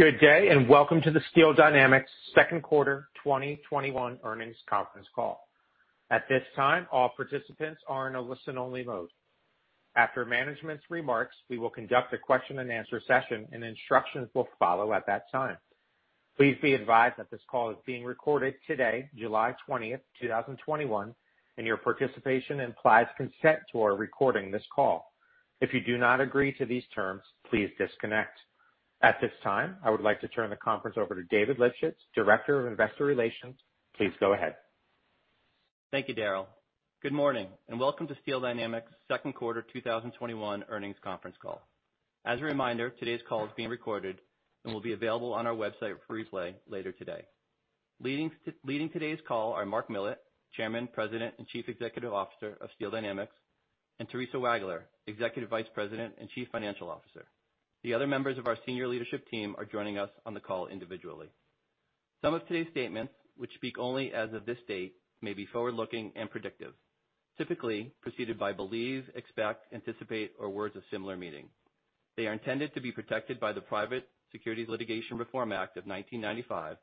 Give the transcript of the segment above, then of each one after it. Good day, and Welcome to The Steel Dynamics Second Quarter 2021 Earnings Conference Call. At this time, all participants are in a listen-only mode. After management's remarks, we will conduct a question and answer session, and instructions will follow at that time. Please be advised that this call is being recorded today, July 20th, 2021, and your participation implies consent to our recording this call. If you do not agree to these terms, please disconnect. At this time, I would like to turn the conference over to David Lipschitz, Director of Investor Relations. Please go ahead. Thank you, Darryl. Good morning, welcome to Steel Dynamics second quarter 2021 earnings conference call. As a reminder, today's call is being recorded and will be available on our website for replay later today. Leading today's call are Mark Millett, Chairman, President, and Chief Executive Officer of Steel Dynamics, and Theresa Wagler, Executive Vice President and Chief Financial Officer. The other members of our senior leadership team are joining us on the call individually. Some of today's statements, which speak only as of this date, may be forward-looking and predictive, typically preceded by believe, expect, anticipate, or words of similar meaning. They are intended to be protected by the Private Securities Litigation Reform Act of 1995,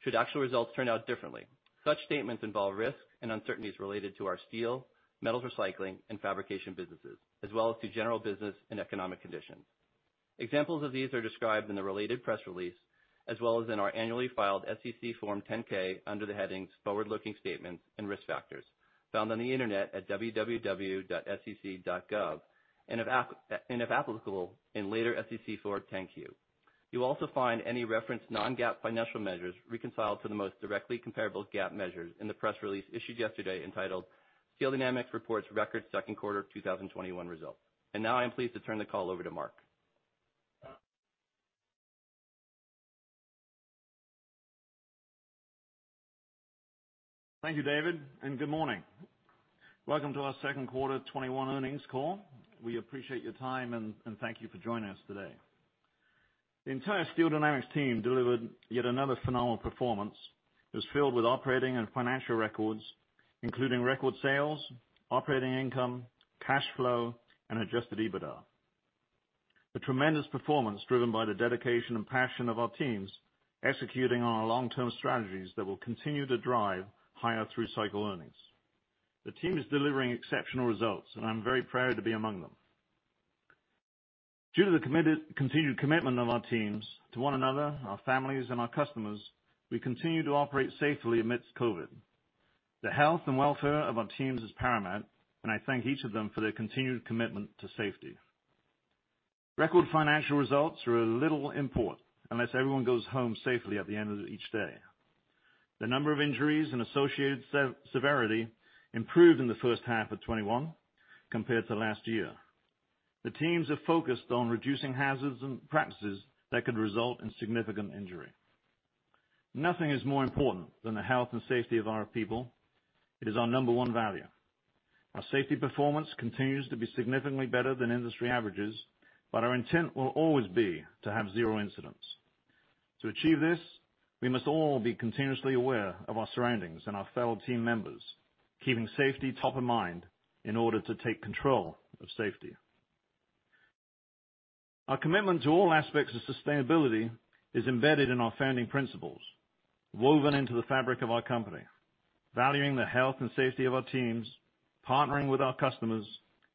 should actual results turn out differently. Such statements involve risks and uncertainties related to our steel, metals recycling, and fabrication businesses, as well as to general business and economic conditions. Examples of these are described in the related press release, as well as in our annually filed SEC form 10-K under the headings Forward-Looking Statements and Risk Factors, found on the internet at www.sec.gov, and if applicable, in later SEC form 10-Q. You'll also find any referenced non-GAAP financial measures reconciled to the most directly comparable GAAP measures in the press release issued yesterday entitled Steel Dynamics Reports Record Second Quarter 2021 Results. Now I am pleased to turn the call over to Mark. Thank you, David, and good morning. Welcome to our second quarter 2021 earnings call. We appreciate your time, and thank you for joining us today. The entire Steel Dynamics team delivered yet another phenomenal performance. It was filled with operating and financial records, including record sales, operating income, cash flow, and adjusted EBITDA. The tremendous performance driven by the dedication and passion of our teams, executing on our long-term strategies that will continue to drive higher through cycle earnings. The team is delivering exceptional results, and I'm very proud to be among them. Due to the continued commitment of our teams to one another, our families, and our customers, we continue to operate safely amidst COVID. The health and welfare of our teams is paramount, and I thank each of them for their continued commitment to safety. Record financial results are of little import unless everyone goes home safely at the end of each day. The number of injuries and associated severity improved in the first half of 2021 compared to last year. The teams are focused on reducing hazards and practices that could result in significant injury. Nothing is more important than the health and safety of our people. It is our number one value. Our safety performance continues to be significantly better than industry averages, but our intent will always be to have zero incidents. To achieve this, we must all be continuously aware of our surroundings and our fellow team members, keeping safety top of mind in order to take control of safety. Our commitment to all aspects of sustainability is embedded in our founding principles, woven into the fabric of our company, valuing the health and safety of our teams, partnering with our customers,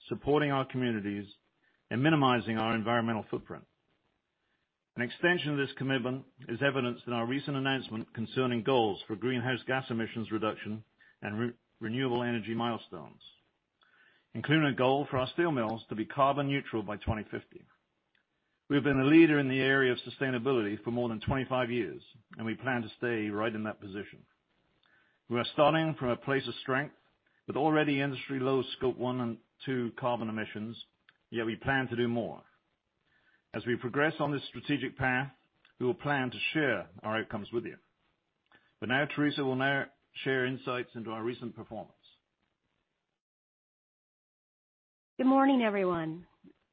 supporting our communities, and minimizing our environmental footprint. An extension of this commitment is evidenced in our recent announcement concerning goals for greenhouse gas emissions reduction and renewable energy milestones, including a goal for our steel mills to be carbon neutral by 2050. We have been a leader in the area of sustainability for more than 25 years, We plan to stay right in that position. We are starting from a place of strength with already industry-low Scope 1 and 2 carbon emissions, We plan to do more. As we progress on this strategic path, we will plan to share our outcomes with you. Now, Theresa will now share insights into our recent performance. Good morning, everyone.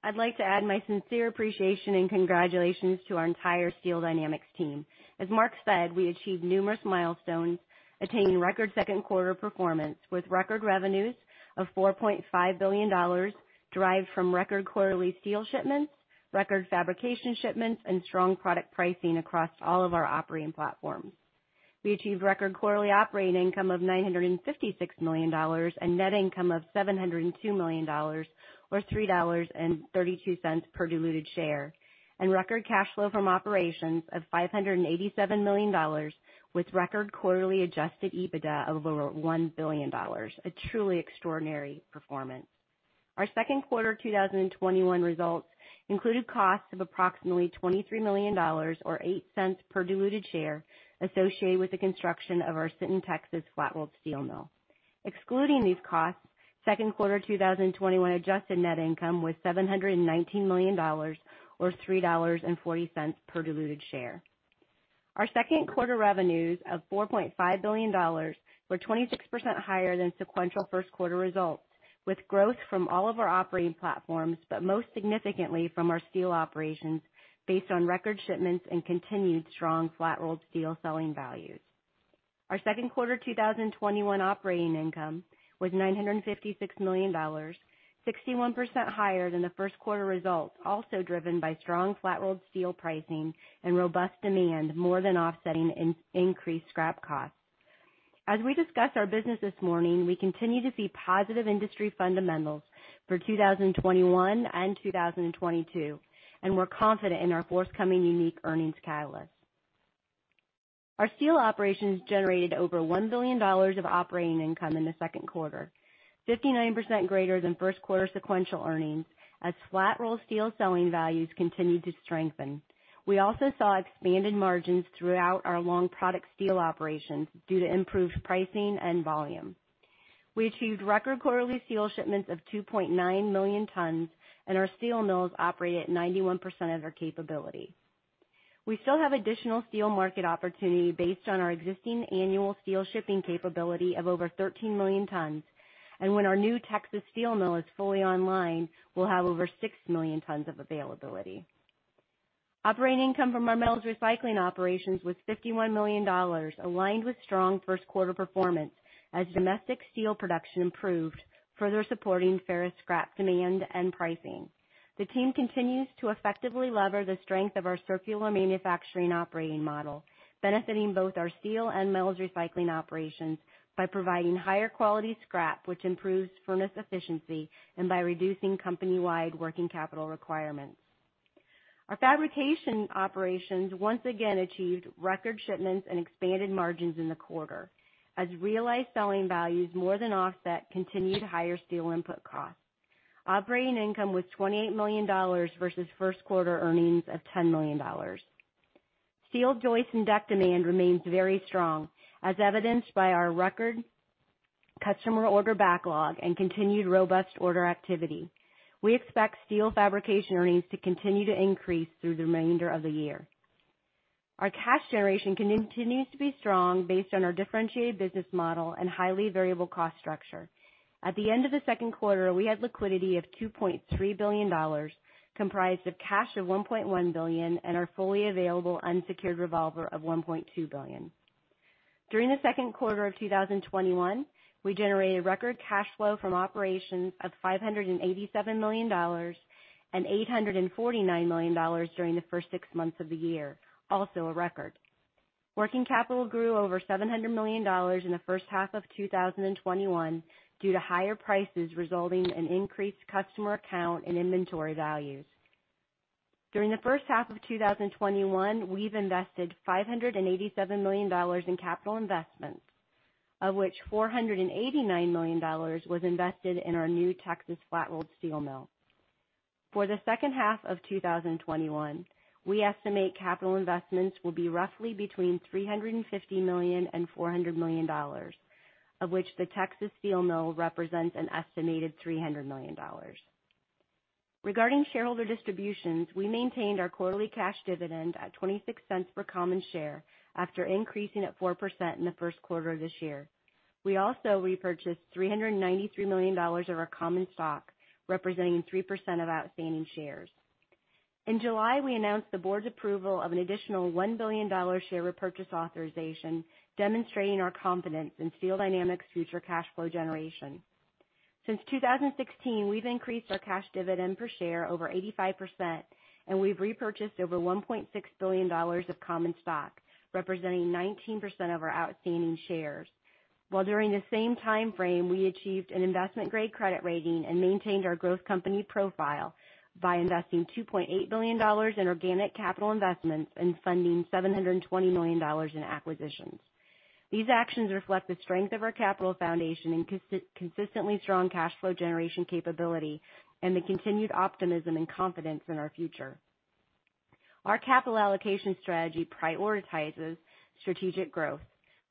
I'd like to add my sincere appreciation and congratulations to our entire Steel Dynamics team. As Mark said, we achieved numerous milestones, attaining record second quarter performance with record revenues of $4.5 billion, derived from record quarterly steel shipments, record fabrication shipments, and strong product pricing across all of our operating platforms. We achieved record quarterly operating income of $956 million and net income of $702 million, or $3.32 per diluted share, and record cash flow from operations of $587 million, with record quarterly adjusted EBITDA of over $1 billion, a truly extraordinary performance. Our Q2 2021 results included costs of approximately $23 million, or $0.08 per diluted share, associated with the construction of our Sinton, Texas, flat-rolled steel mill. Excluding these costs, second quarter 2021 adjusted net income was $719 million, or $3.40 per diluted share. Our second quarter revenues of $4.5 billion were 26% higher than sequential first quarter results. With growth from all of our operating platforms, but most significantly from our steel operations, based on record shipments and continued strong flat rolled steel selling values. Our second quarter 2021 operating income was $956 million, 61% higher than the first quarter results, also driven by strong flat rolled steel pricing and robust demand, more than offsetting increased scrap costs. As we discuss our business this morning, we continue to see positive industry fundamentals for 2021 and 2022, and we're confident in our forthcoming unique earnings catalysts. Our steel operations generated over $1 billion of operating income in the second quarter, 59% greater than first quarter sequential earnings, as flat rolled steel selling values continued to strengthen. We also saw expanded margins throughout our long product steel operations due to improved pricing and volume. We achieved record quarterly steel shipments of 2.9 million tons, and our steel mills operate at 91% of their capability. We still have additional steel market opportunity based on our existing annual steel shipping capability of over 13 million tons, and when our new Texas steel mill is fully online, we'll have over 6 million tons of availability. Operating income from our metals recycling operations was $51 million, aligned with strong first quarter performance as domestic steel production improved, further supporting ferrous scrap demand and pricing. The team continues to effectively lever the strength of our circular manufacturing operating model, benefiting both our steel and mills recycling operations by providing higher quality scrap, which improves furnace efficiency, and by reducing company-wide working capital requirements. Our fabrication operations once again achieved record shipments and expanded margins in the quarter as realized selling values more than offset continued higher steel input costs. Operating income was $28 million versus first quarter earnings of $10 million. Steel joists and deck demand remains very strong, as evidenced by our record customer order backlog and continued robust order activity. We expect steel fabrication earnings to continue to increase through the remainder of the year. Our cash generation continues to be strong based on our differentiated business model and highly variable cost structure. At the end of the second quarter, we had liquidity of $2.3 billion, comprised of cash of $1.1 billion and our fully available unsecured revolver of $1.2 billion. During the second quarter of 2021, we generated record cash flow from operations of $587 million and $849 million during the first six months of the year, also a record. Working capital grew over $700 million in the first half of 2021 due to higher prices, resulting in increased customer account and inventory values. During the first half of 2021, we've invested $587 million in capital investments, of which $489 million was invested in our new Texas flat rolled steel mill. For the second half of 2021, we estimate capital investments will be roughly between $350 million and $400 million, of which the Texas steel mill represents an estimated $300 million. Regarding shareholder distributions, we maintained our quarterly cash dividend at $0.26 per common share after increasing it 4% in the first quarter of this year. We also repurchased $393 million of our common stock, representing 3% of outstanding shares. In July, we announced the board's approval of an additional $1 billion share repurchase authorization, demonstrating our confidence in Steel Dynamics' future cash flow generation. Since 2016, we've increased our cash dividend per share over 85%, and we've repurchased over $1.6 billion of common stock, representing 19% of our outstanding shares. While during the same time frame, we achieved an investment-grade credit rating and maintained our growth company profile by investing $2.8 billion in organic capital investments and funding $720 million in acquisitions. These actions reflect the strength of our capital foundation and consistently strong cash flow generation capability and the continued optimism and confidence in our future. Our capital allocation strategy prioritizes strategic growth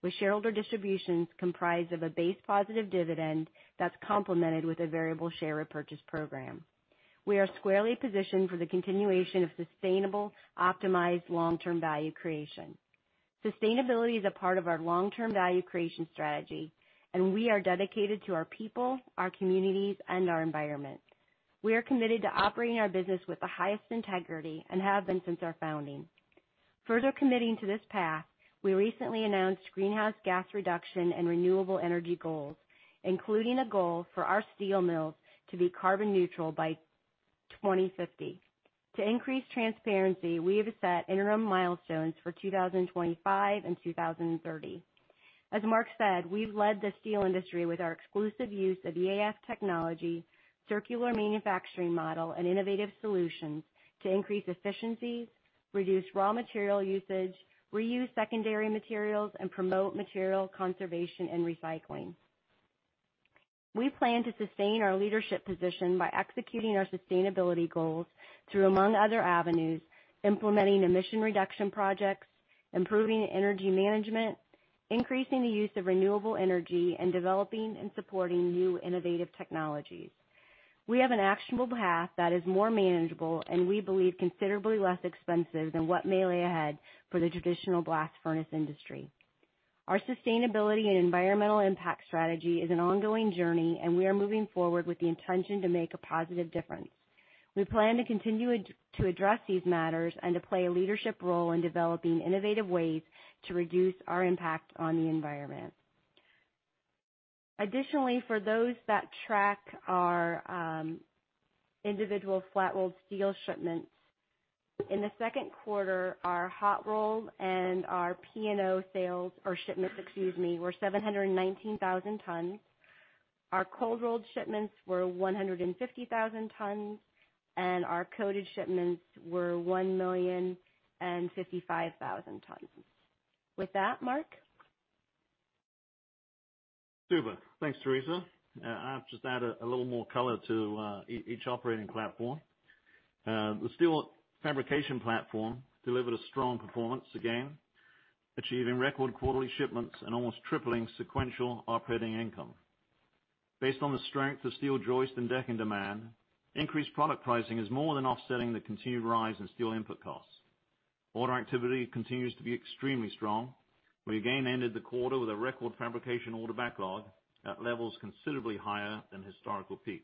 with shareholder distributions comprised of a base positive dividend that's complemented with a variable share repurchase program. We are squarely positioned for the continuation of sustainable, optimized long-term value creation. Sustainability is a part of our long-term value creation strategy, and we are dedicated to our people, our communities, and our environment. We are committed to operating our business with the highest integrity and have been since our founding. Further committing to this path, we recently announced greenhouse gas reduction and renewable energy goals, including a goal for our steel mills to be carbon neutral by 2050. To increase transparency, we have set interim milestones for 2025 and 2030. As Mark said, we've led the steel industry with our exclusive use of the EAF technology, circular manufacturing model, and innovative solutions to increase efficiencies, reduce raw material usage, reuse secondary materials, and promote material conservation and recycling. We plan to sustain our leadership position by executing our sustainability goals through, among other avenues, implementing emission reduction projects, improving energy management, increasing the use of renewable energy, and developing and supporting new innovative technologies. We have an actionable path that is more manageable and we believe considerably less expensive than what may lay ahead for the traditional blast furnace industry. Our sustainability and environmental impact strategy is an ongoing journey, and we are moving forward with the intention to make a positive difference. We plan to continue to address these matters and to play a leadership role in developing innovative ways to reduce our impact on the environment. Additionally, for those that track our individual flat-rolled steel shipments. In the second quarter, our hot-rolled and our P&O sales, or shipments, excuse me, were 719,000 tons. Our cold-rolled shipments were 150,000 tons, and our coated shipments were 1,055,000 tons. With that, Mark? Super. Thanks, Theresa. I'll just add a little more color to each operating platform. The steel fabrication platform delivered a strong performance again, achieving record quarterly shipments and almost tripling sequential operating income. Based on the strength of steel joist and decking demand, increased product pricing is more than offsetting the continued rise in steel input costs. Order activity continues to be extremely strong. We again ended the quarter with a record fabrication order backlog at levels considerably higher than historical peaks.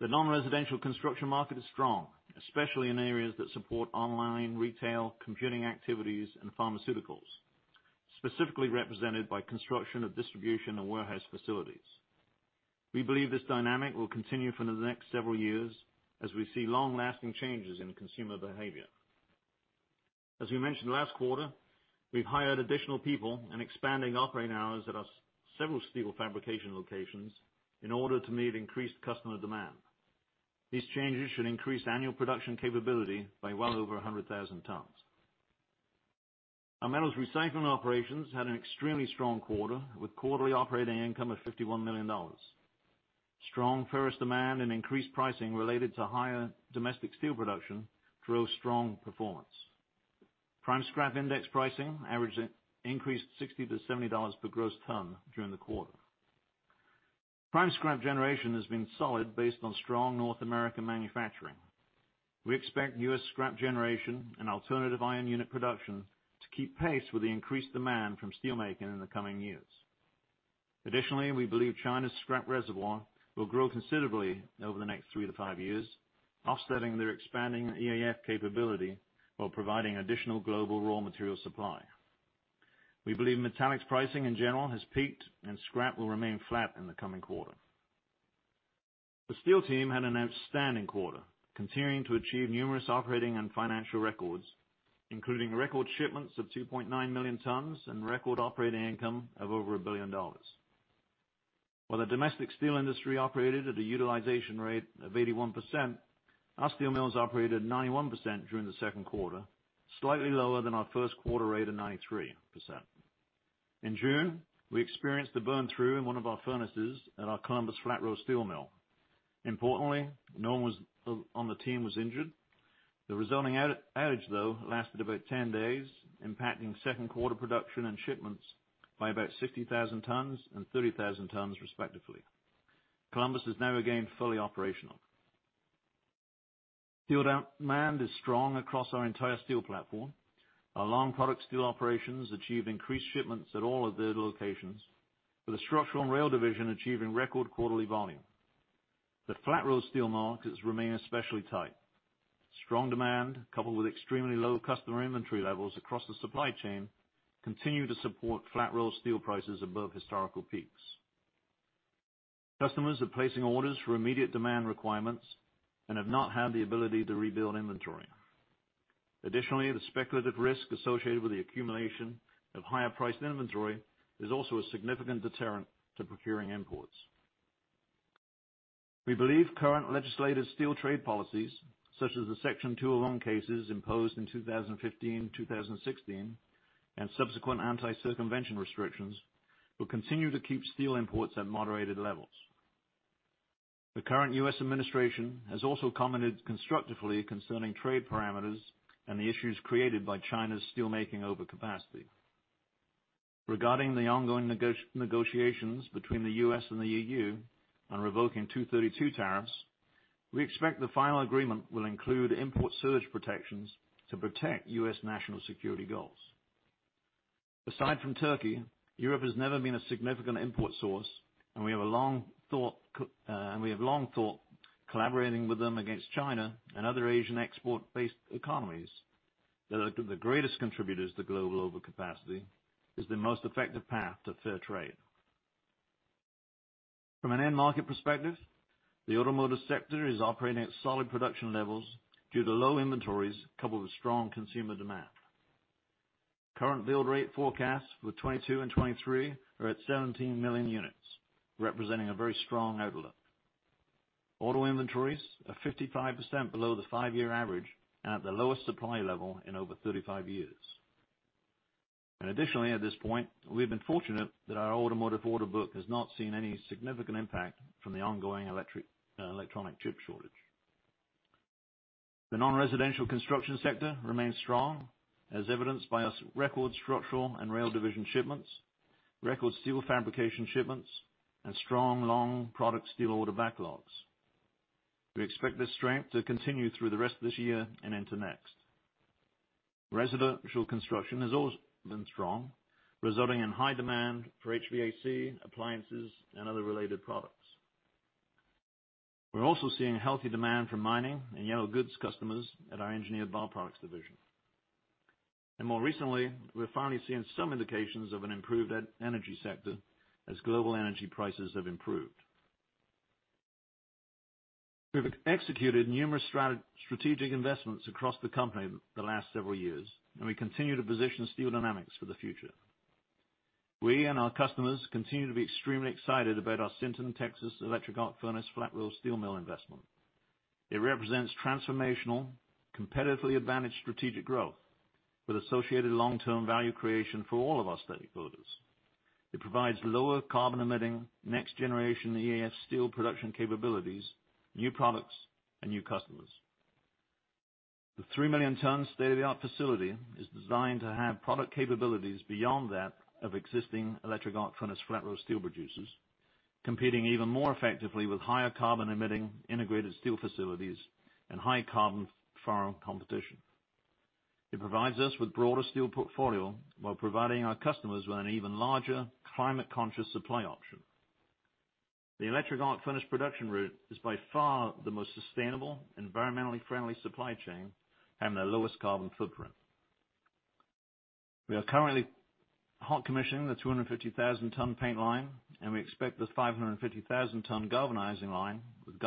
The non-residential construction market is strong, especially in areas that support online retail, computing activities, and pharmaceuticals, specifically represented by construction of distribution and warehouse facilities. We believe this dynamic will continue for the next several years as we see long-lasting changes in consumer behavior. As we mentioned last quarter, we've hired additional people and expanding operating hours at our several steel fabrication locations in order to meet increased customer demand. These changes should increase annual production capability by well over 100,000 tons. Our metals recycling operations had an extremely strong quarter, with quarterly operating income of $51 million. Strong ferrous demand and increased pricing related to higher domestic steel production drove strong performance. Prime scrap index pricing averaged increased $60-$70 per gross ton during the quarter. Prime scrap generation has been solid based on strong North American manufacturing. We expect U.S. scrap generation and alternative iron unit production to keep pace with the increased demand from steelmaking in the coming years. Additionally, we believe China's scrap reservoir will grow considerably over the next 3-5 years, offsetting their expanding EAF capability while providing additional global raw material supply. We believe metallics pricing in general has peaked, and scrap will remain flat in the coming quarter. The steel team had an outstanding quarter, continuing to achieve numerous operating and financial records, including record shipments of 2.9 million tons and record operating income of over $1 billion. While the domestic steel industry operated at a utilization rate of 81%, our steel mills operated 91% during the second quarter, slightly lower than our first quarter rate of 93%. In June, we experienced a burn-through in one of our furnaces at our Columbus Flat Roll steel mill. Importantly, no one on the team was injured. The resulting outage, though, lasted about 10 days, impacting second quarter production and shipments by about 60,000 tons and 30,000 tons respectively. Columbus is now again fully operational. Steel demand is strong across our entire steel platform. Our long product steel operations achieved increased shipments at all of their locations, with the structural and rail division achieving record quarterly volume. The flat roll steel markets remain especially tight. Strong demand, coupled with extremely low customer inventory levels across the supply chain, continue to support flat roll steel prices above historical peaks. Customers are placing orders for immediate demand requirements and have not had the ability to rebuild inventory. Additionally, the speculative risk associated with the accumulation of higher-priced inventory is also a significant deterrent to procuring imports. We believe current legislative steel trade policies, such as the Section 201 cases imposed in 2015 and 2016, and subsequent anti-circumvention restrictions, will continue to keep steel imports at moderated levels. The current U.S. administration has also commented constructively concerning trade parameters and the issues created by China's steelmaking overcapacity. Regarding the ongoing negotiations between the U.S. and the EU on revoking 232 tariffs, we expect the final agreement will include import safeguard protections to protect U.S. national security goals. Aside from Turkey, Europe has never been a significant import source, and we have long thought collaborating with them against China and other Asian export-based economies that are the greatest contributors to global overcapacity, is the most effective path to fair trade. From an end market perspective, the automotive sector is operating at solid production levels due to low inventories coupled with strong consumer demand. Current build rate forecasts for 2022 and 2023 are at 17 million units, representing a very strong outlook. Auto inventories are 55% below the five-year average and at their lowest supply level in over 35 years. Additionally, at this point, we've been fortunate that our automotive order book has not seen any significant impact from the ongoing electronic chip shortage. The non-residential construction sector remains strong, as evidenced by its record structural and rail division shipments, record steel fabrication shipments, and strong long product steel order backlogs. We expect this strength to continue through the rest of this year and into next. Residential construction has always been strong, resulting in high demand for HVAC, appliances, and other related products. We're also seeing healthy demand for mining and yellow goods customers at our engineered bar products division. More recently, we're finally seeing some indications of an improved energy sector as global energy prices have improved. We've executed numerous strategic investments across the company the last several years, and we continue to position Steel Dynamics for the future. We and our customers continue to be extremely excited about our Sinton, Texas electric arc furnace flat-roll steel mill investment. It represents transformational, competitively advantaged strategic growth with associated long-term value creation for all of our stakeholders. It provides lower carbon emitting, next generation EAF steel production capabilities, new products, and new customers. The 3 million tons state-of-the-art facility is designed to have product capabilities beyond that of existing electric arc furnace flat-roll steel producers, competing even more effectively with higher carbon emitting integrated steel facilities and high carbon foreign competition. It provides us with broader steel portfolio while providing our customers with an even larger climate conscious supply option. The electric arc furnace production route is by far the most sustainable, environmentally friendly supply chain, having the lowest carbon footprint. We are currently hot commissioning the 250,000 ton paint line. We expect this 550,000 ton galvanizing line with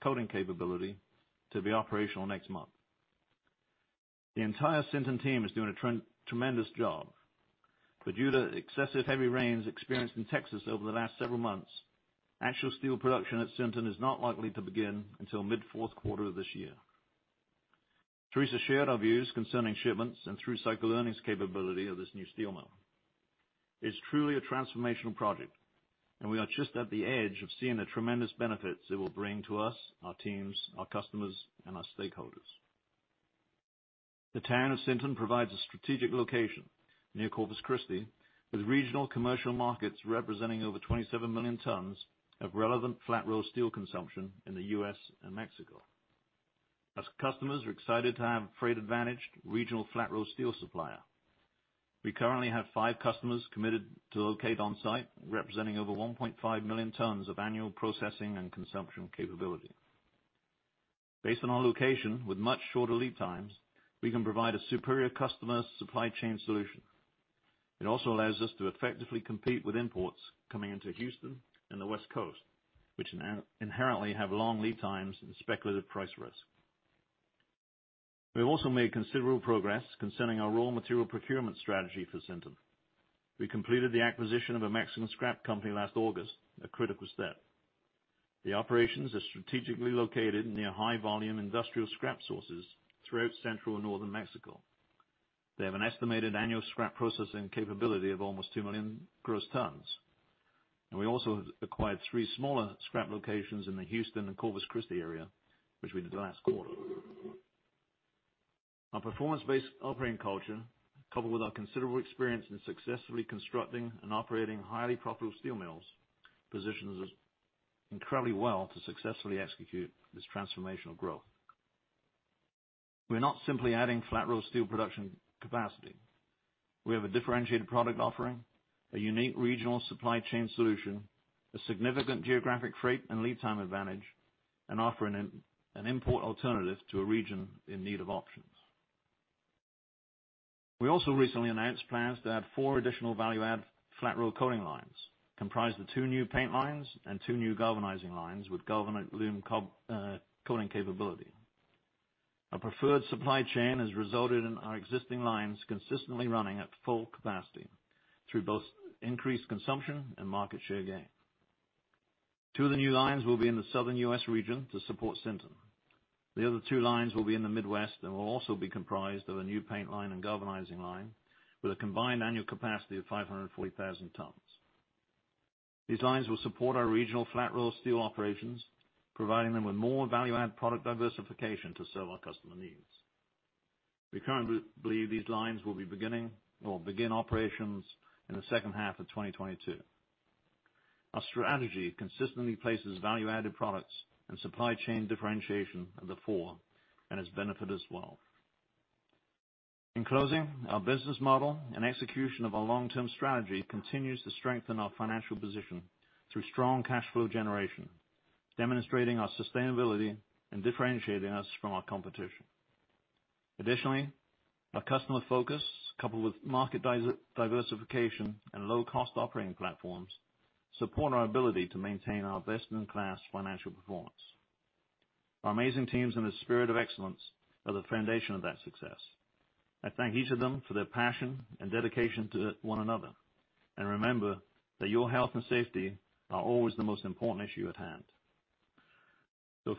coating capability to be operational next month. The entire Sinton team is doing a tremendous job. Due to excessive heavy rains experienced in Texas over the last several months, actual steel production at Sinton is not likely to begin until mid fourth quarter of this year. Theresa shared our views concerning shipments and through cycle earnings capability of this new steel mill. It's truly a transformational project. We are just at the edge of seeing the tremendous benefits it will bring to us, our teams, our customers, and our stakeholders. The town of Sinton provides a strategic location near Corpus Christi, with regional commercial markets representing over 27 million tons of relevant flat-roll steel consumption in the U.S. and Mexico. As customers, we're excited to have a freight advantaged regional flat-roll steel supplier. We currently have 5 customers committed to locate on-site, representing over 1.5 million tons of annual processing and consumption capability. Based on our location with much shorter lead times, we can provide a superior customer supply chain solution. It also allows us to effectively compete with imports coming into Houston and the West Coast, which inherently have long lead times and speculative price risk. We have also made considerable progress concerning our raw material procurement strategy for Sinton. We completed the acquisition of a Mexican scrap company last August, a critical step. The operations are strategically located near high volume industrial scrap sources throughout central and northern Mexico. They have an estimated annual scrap processing capability of almost 2 million gross tons. We also have acquired 3 smaller scrap locations in the Houston and Corpus Christi area, which we did last quarter. Our performance-based operating culture, coupled with our considerable experience in successfully constructing and operating highly profitable steel mills, positions us incredibly well to successfully execute this transformational growth. We're not simply adding flat-roll steel production capacity. We have a differentiated product offering, a unique regional supply chain solution, a significant geographic freight and lead time advantage, and offer an import alternative to a region in need of options. We also recently announced plans to add 4 additional value add flat-roll coating lines, comprised of 2 new paint lines and 2 new galvanizing lines with Galvalume coating capability. Our preferred supply chain has resulted in our existing lines consistently running at full capacity through both increased consumption and market share gain. 2 of the new lines will be in the Southern U.S. region to support Sinton. The other 2 lines will be in the Midwest and will also be comprised of a new paint line and galvanizing line with a combined annual capacity of 540,000 tons. These lines will support our regional flat-roll steel operations, providing them with more value-added product diversification to serve our customer needs. We currently believe these lines will begin operations in the second half of 2022. Our strategy consistently places value-added products and supply chain differentiation at the fore and has benefited us well. In closing, our business model and execution of our long-term strategy continues to strengthen our financial position through strong cash flow generation, demonstrating our sustainability and differentiating us from our competition. Additionally, our customer focus, coupled with market diversification and low cost operating platforms, support our ability to maintain our best-in-class financial performance. Our amazing teams and the spirit of excellence are the foundation of that success. I thank each of them for their passion and dedication to one another. Remember that your health and safety are always the most important issue at hand.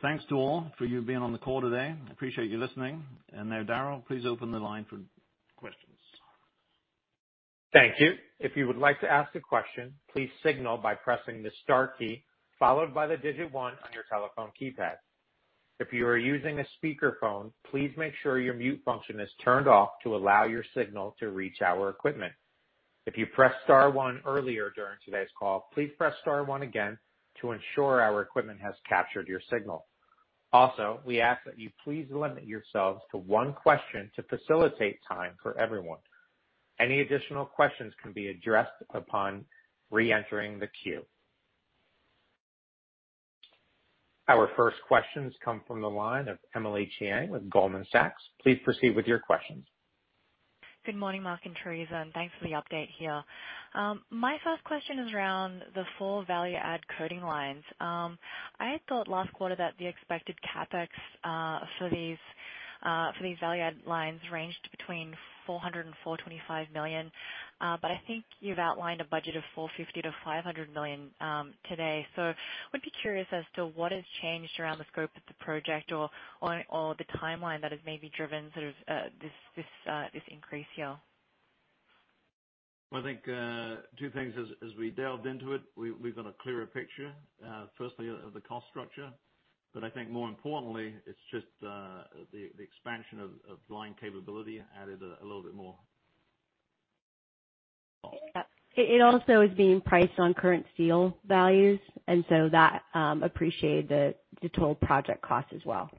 Thanks to all for you being on the call today. I appreciate you listening. Now, Darryl, please open the line for questions. [Thank you. If you would like to ask a question, please signal by pressing the star key followed by the digit one on your telephone keypad. If you are using the speaker phone, pease make sure your mute function is turned off to allow your signal to reach our equipment. If you press star one earlier today's conference call, please press one again to ensure our equipment has captured your signal. Also, please limit yourselves one question to facilitate time for everyone. Any additional questions could be addressed upon re-entering the queue.] Our first questions come from the line of Emily Chieng with Goldman Sachs. Please proceed with your questions. Good morning, Mark and Theresa, and thanks for the update here. My first question is around the 4 value-add coating lines. I had thought last quarter that the expected CapEx for these value-add lines ranged between $400 million-$425 million. I think you've outlined a budget of $450 million-$500 million today. Would be curious as to what has changed around the scope of the project or the timeline that has maybe driven this increase here. Well, I think two things as we delved into it, we've got a clearer picture, firstly of the cost structure, but I think more importantly, it's just the expansion of line capability added a little bit more. It also is being priced on current steel values. That appreciated the total project cost as well.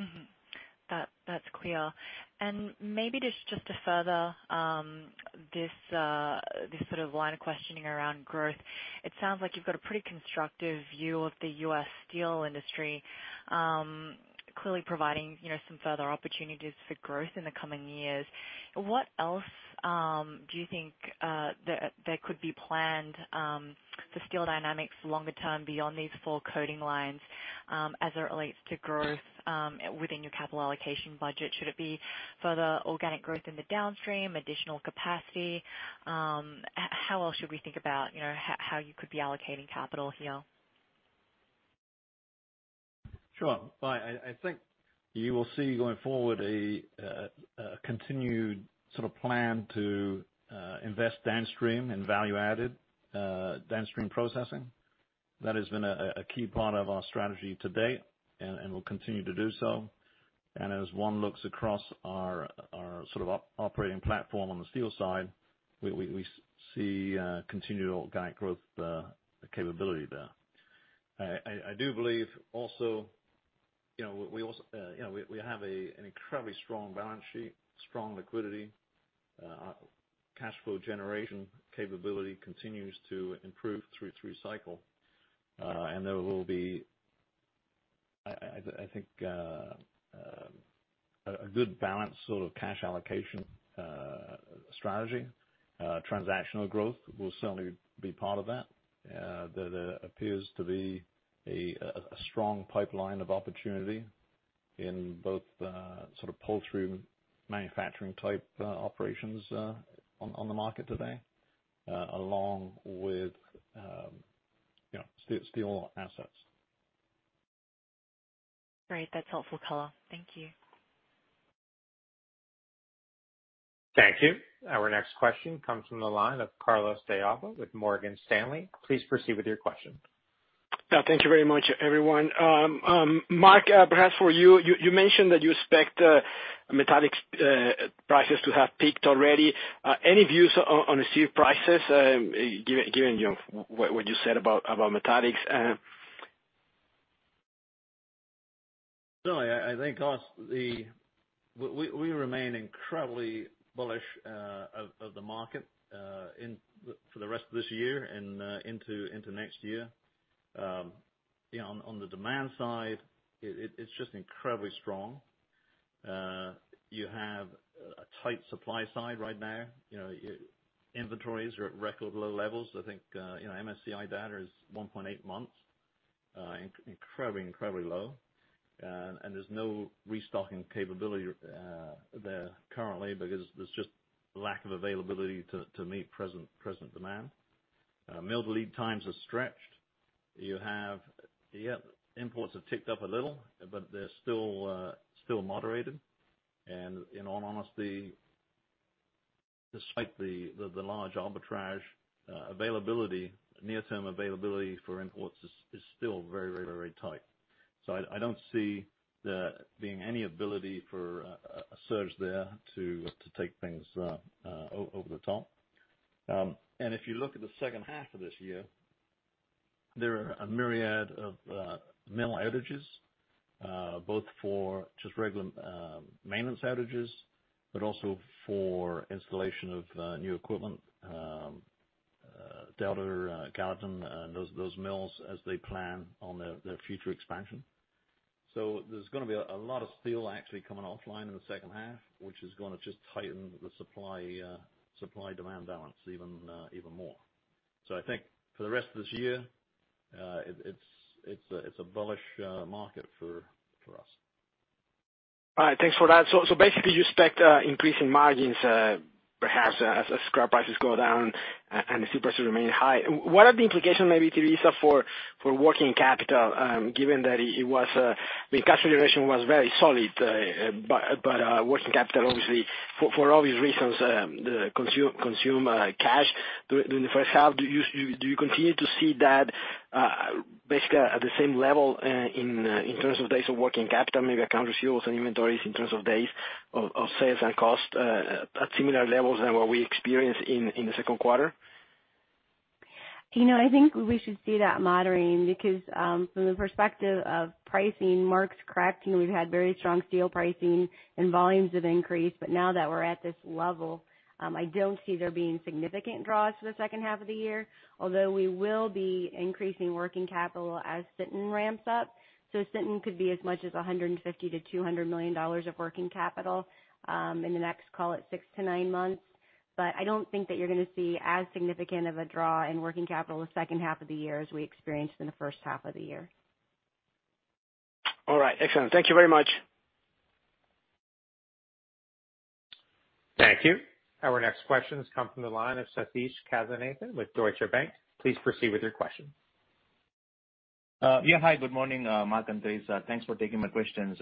Mm-hmm. That's clear. Maybe just to further this sort of line of questioning around growth. It sounds like you've got a pretty constructive view of the U.S. steel industry, clearly providing some further opportunities for growth in the coming years. What else do you think that could be planned for Steel Dynamics longer term beyond these four coating lines as it relates to growth within your capital allocation budget? Should it be further organic growth in the downstream, additional capacity? How else should we think about how you could be allocating capital here? Sure. I think you will see going forward a continued sort of plan to invest downstream in value-added downstream processing. That has been a key part of our strategy to date and will continue to do so. As one looks across our operating platform on the steel side, we see continual organic growth capability there. I do believe also we have an incredibly strong balance sheet, strong liquidity. Cash flow generation capability continues to improve through cycle. There will be, I think, a good balanced sort of cash allocation strategy. Transactional growth will certainly be part of that. There appears to be a strong pipeline of opportunity in both the pull-through manufacturing type operations on the market today, along with steel assets. Great. That's helpful color. Thank you. Thank you. Our next question comes from the line of Carlos de Alba with Morgan Stanley. Please proceed with your question. Thank you very much, everyone. Mark, perhaps for you mentioned that you expect metallic prices to have peaked already. Any views on steel prices given what you said about metallics? Certainly, I think we remain incredibly bullish of the market for the rest of this year and into next year. On the demand side, it's just incredibly strong. You have a tight supply side right now. Inventories are at record low levels. I think MSCI data is 1.8 months, incredibly low. There's no restocking capability there currently because there's just lack of availability to meet present demand. Mill lead times are stretched. You have imports have ticked up a little, but they're still moderated. In all honesty, despite the large arbitrage availability, near-term availability for imports is still very tight. I don't see there being any ability for a surge there to take things over the top. If you look at the 2nd half of this year, there are a myriad of mill outages, both for just regular maintenance outages, but also for installation of new equipment. Delta, Gallatin, and those mills as they plan on their future expansion. There's going to be a lot of steel actually coming offline in the second half, which is going to just tighten the supply-demand balance even more. I think for the rest of this year, it's a bullish market for us. All right. Thanks for that. Basically, you expect increasing margins perhaps as scrap prices go down and the steel prices remain high. What are the implications maybe, Theresa, for working capital, given that cash generation was very solid, but working capital, obviously, for obvious reasons, consume cash during the first half. Do you continue to see that basically at the same level in terms of days of working capital, maybe account receivables and inventories in terms of days of sales and cost at similar levels than what we experienced in the second quarter? I think we should see that moderating, because from the perspective of pricing marks correcting, we've had very strong steel pricing and volumes have increased. Now that we're at this level, I don't see there being significant draws for the second half of the year, although we will be increasing working capital as Sinton ramps up. Sinton could be as much as $150 million-$200 million of working capital in the next, call it 6-9 months. I don't think that you're going to see as significant of a draw in working capital the second half of the year as we experienced in the first half of the year. All right. Excellent. Thank you very much. Thank you. Our next questions come from the line of Sathish Kasinathan with Deutsche Bank. Please proceed with your question. Hi, good morning, Mark Millett and Theresa Wagler. Thanks for taking my questions.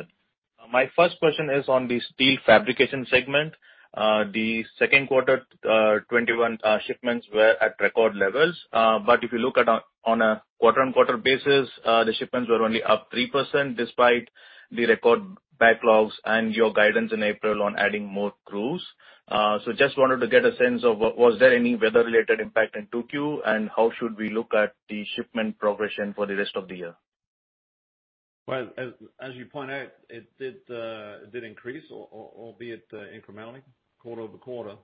My first question is on the steel fabrication segment. The second quarter 2021 shipments were at record levels. If you look on a quarter-over-quarter basis, the shipments were only up 3% despite the record backlogs and your guidance in April on adding more crews. Just wanted to get a sense of, was there any weather-related impact in Q2, and how should we look at the shipment progression for the rest of the year? Well, as you point out, it did increase, albeit incrementally, quarter-over-quarter.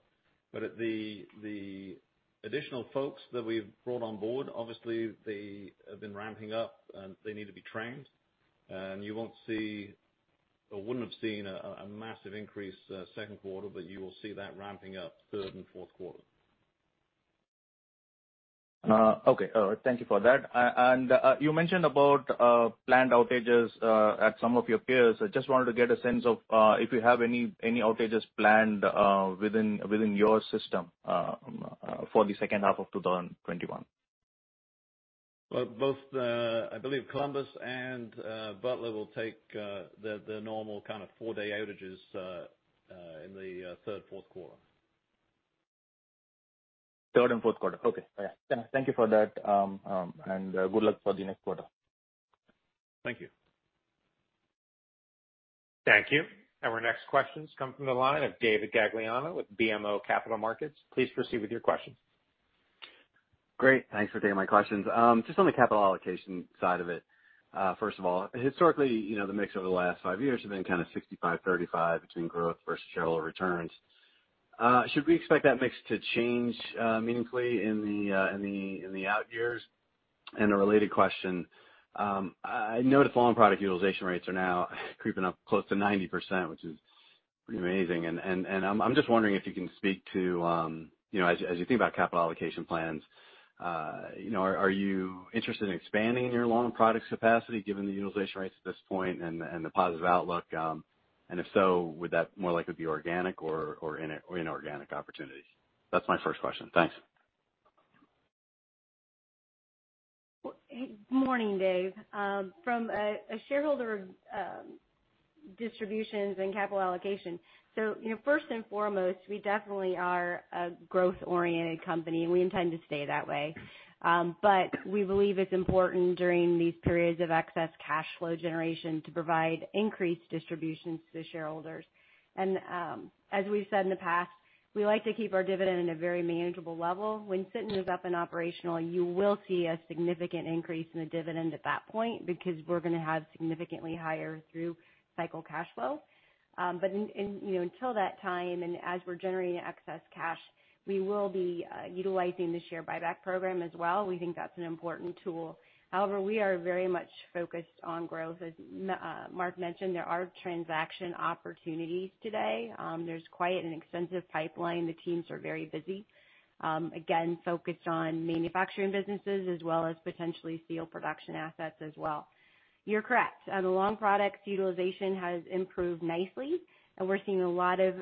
The additional folks that we've brought on board, obviously they have been ramping up and they need to be trained. You won't see, or wouldn't have seen, a massive increase second quarter, but you will see that ramping up third and fourth quarter. Okay. All right. Thank you for that. You mentioned about planned outages at some of your peers. I just wanted to get a sense of if you have any outages planned within your system for the second half of 2021. Both, I believe Columbus and Butler will take their normal four-day outages in the third, fourth quarter. Third and fourth quarter. Okay. Yeah. Thank you for that, and good luck for the next quarter. Thank you. Thank you. Our next questions come from the line of David Gagliano with BMO Capital Markets. Please proceed with your question. Great. Thanks for taking my questions. Just on the capital allocation side of it, first of all, historically, the mix over the last five years has been 65/35 between growth versus shareholder returns. Should we expect that mix to change meaningfully in the out years? A related question, I note the long product utilization rates are now creeping up close to 90%, which is pretty amazing. I'm just wondering if you can speak to, as you think about capital allocation plans, are you interested in expanding your long products capacity given the utilization rates at this point and the positive outlook? If so, would that more likely be organic or inorganic opportunities? That's my first question. Thanks. Morning, Dave. From a shareholder of distributions and capital allocation. First and foremost, we definitely are a growth-oriented company, and we intend to stay that way. We believe it's important during these periods of excess cash flow generation to provide increased distributions to shareholders. As we've said in the past, we like to keep our dividend at a very manageable level. When Sinton moves up and operational, you will see a significant increase in the dividend at that point, because we're going to have significantly higher through-cycle cash flow. [But ] until that time, and as we're generating excess cash, we will be utilizing the share buyback program as well. We think that's an important tool. However, we are very much focused on growth. As Mark mentioned, there are transaction opportunities today. There's quite an extensive pipeline. The teams are very busy. Again, focused on manufacturing businesses as well as potentially steel production assets as well. You're correct. The long products utilization has improved nicely, and we're seeing a lot of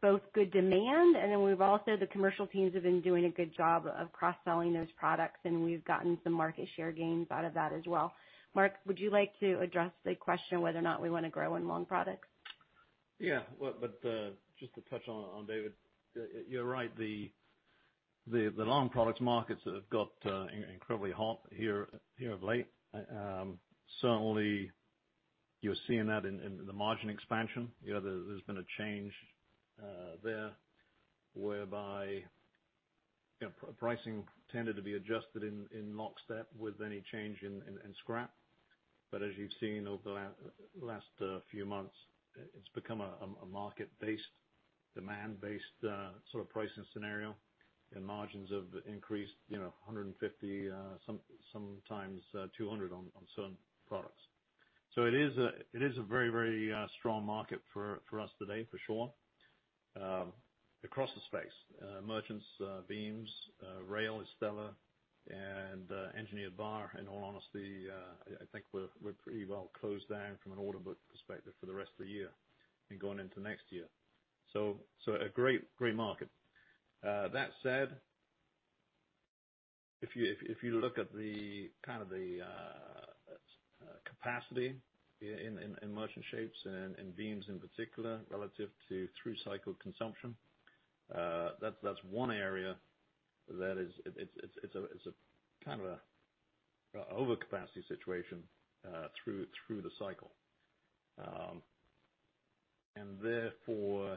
both good demand, and then we've also, the commercial teams have been doing a good job of cross-selling those products, and we've gotten some market share gains out of that as well. Mark, would you like to address the question whether or not we want to grow in long products? Yeah. Just to touch on David, you're right. The long products markets have got incredibly hot here of late. Certainly, you're seeing that in the margin expansion. There's been a change there whereby pricing tended to be adjusted in lockstep with any change in scrap. As you've seen over the last few months, it's become a market-based, demand-based sort of pricing scenario, and margins have increased 150, sometimes 200 on certain products. It is a very strong market for us today, for sure. Across the space. Merchants, beams, rail is stellar, and engineered bar, in all honesty, I think we're pretty well closed down from an order book perspective for the rest of the year and going into next year. A great market. That said, if you look at the capacity in merchant shapes and beams in particular, relative to through-cycle consumption, that's one area that it's a kind of overcapacity situation through the cycle. Therefore,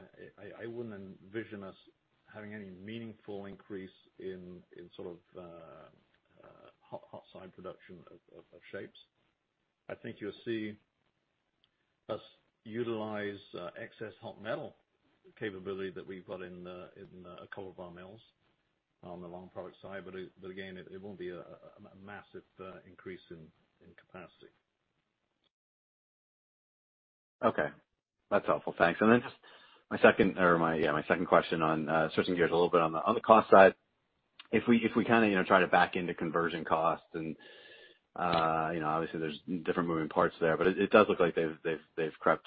I wouldn't envision us having any meaningful increase in hot side production of shapes. I think you'll see us utilize excess hot metal capability that we've got in a couple of our mills on the long product side. Again, it won't be a massive increase in capacity. Okay. That's helpful. Thanks. Then just my second question, switching gears a little bit on the cost side. If we try to back into conversion costs and obviously, there's different moving parts there, but it does look like they've crept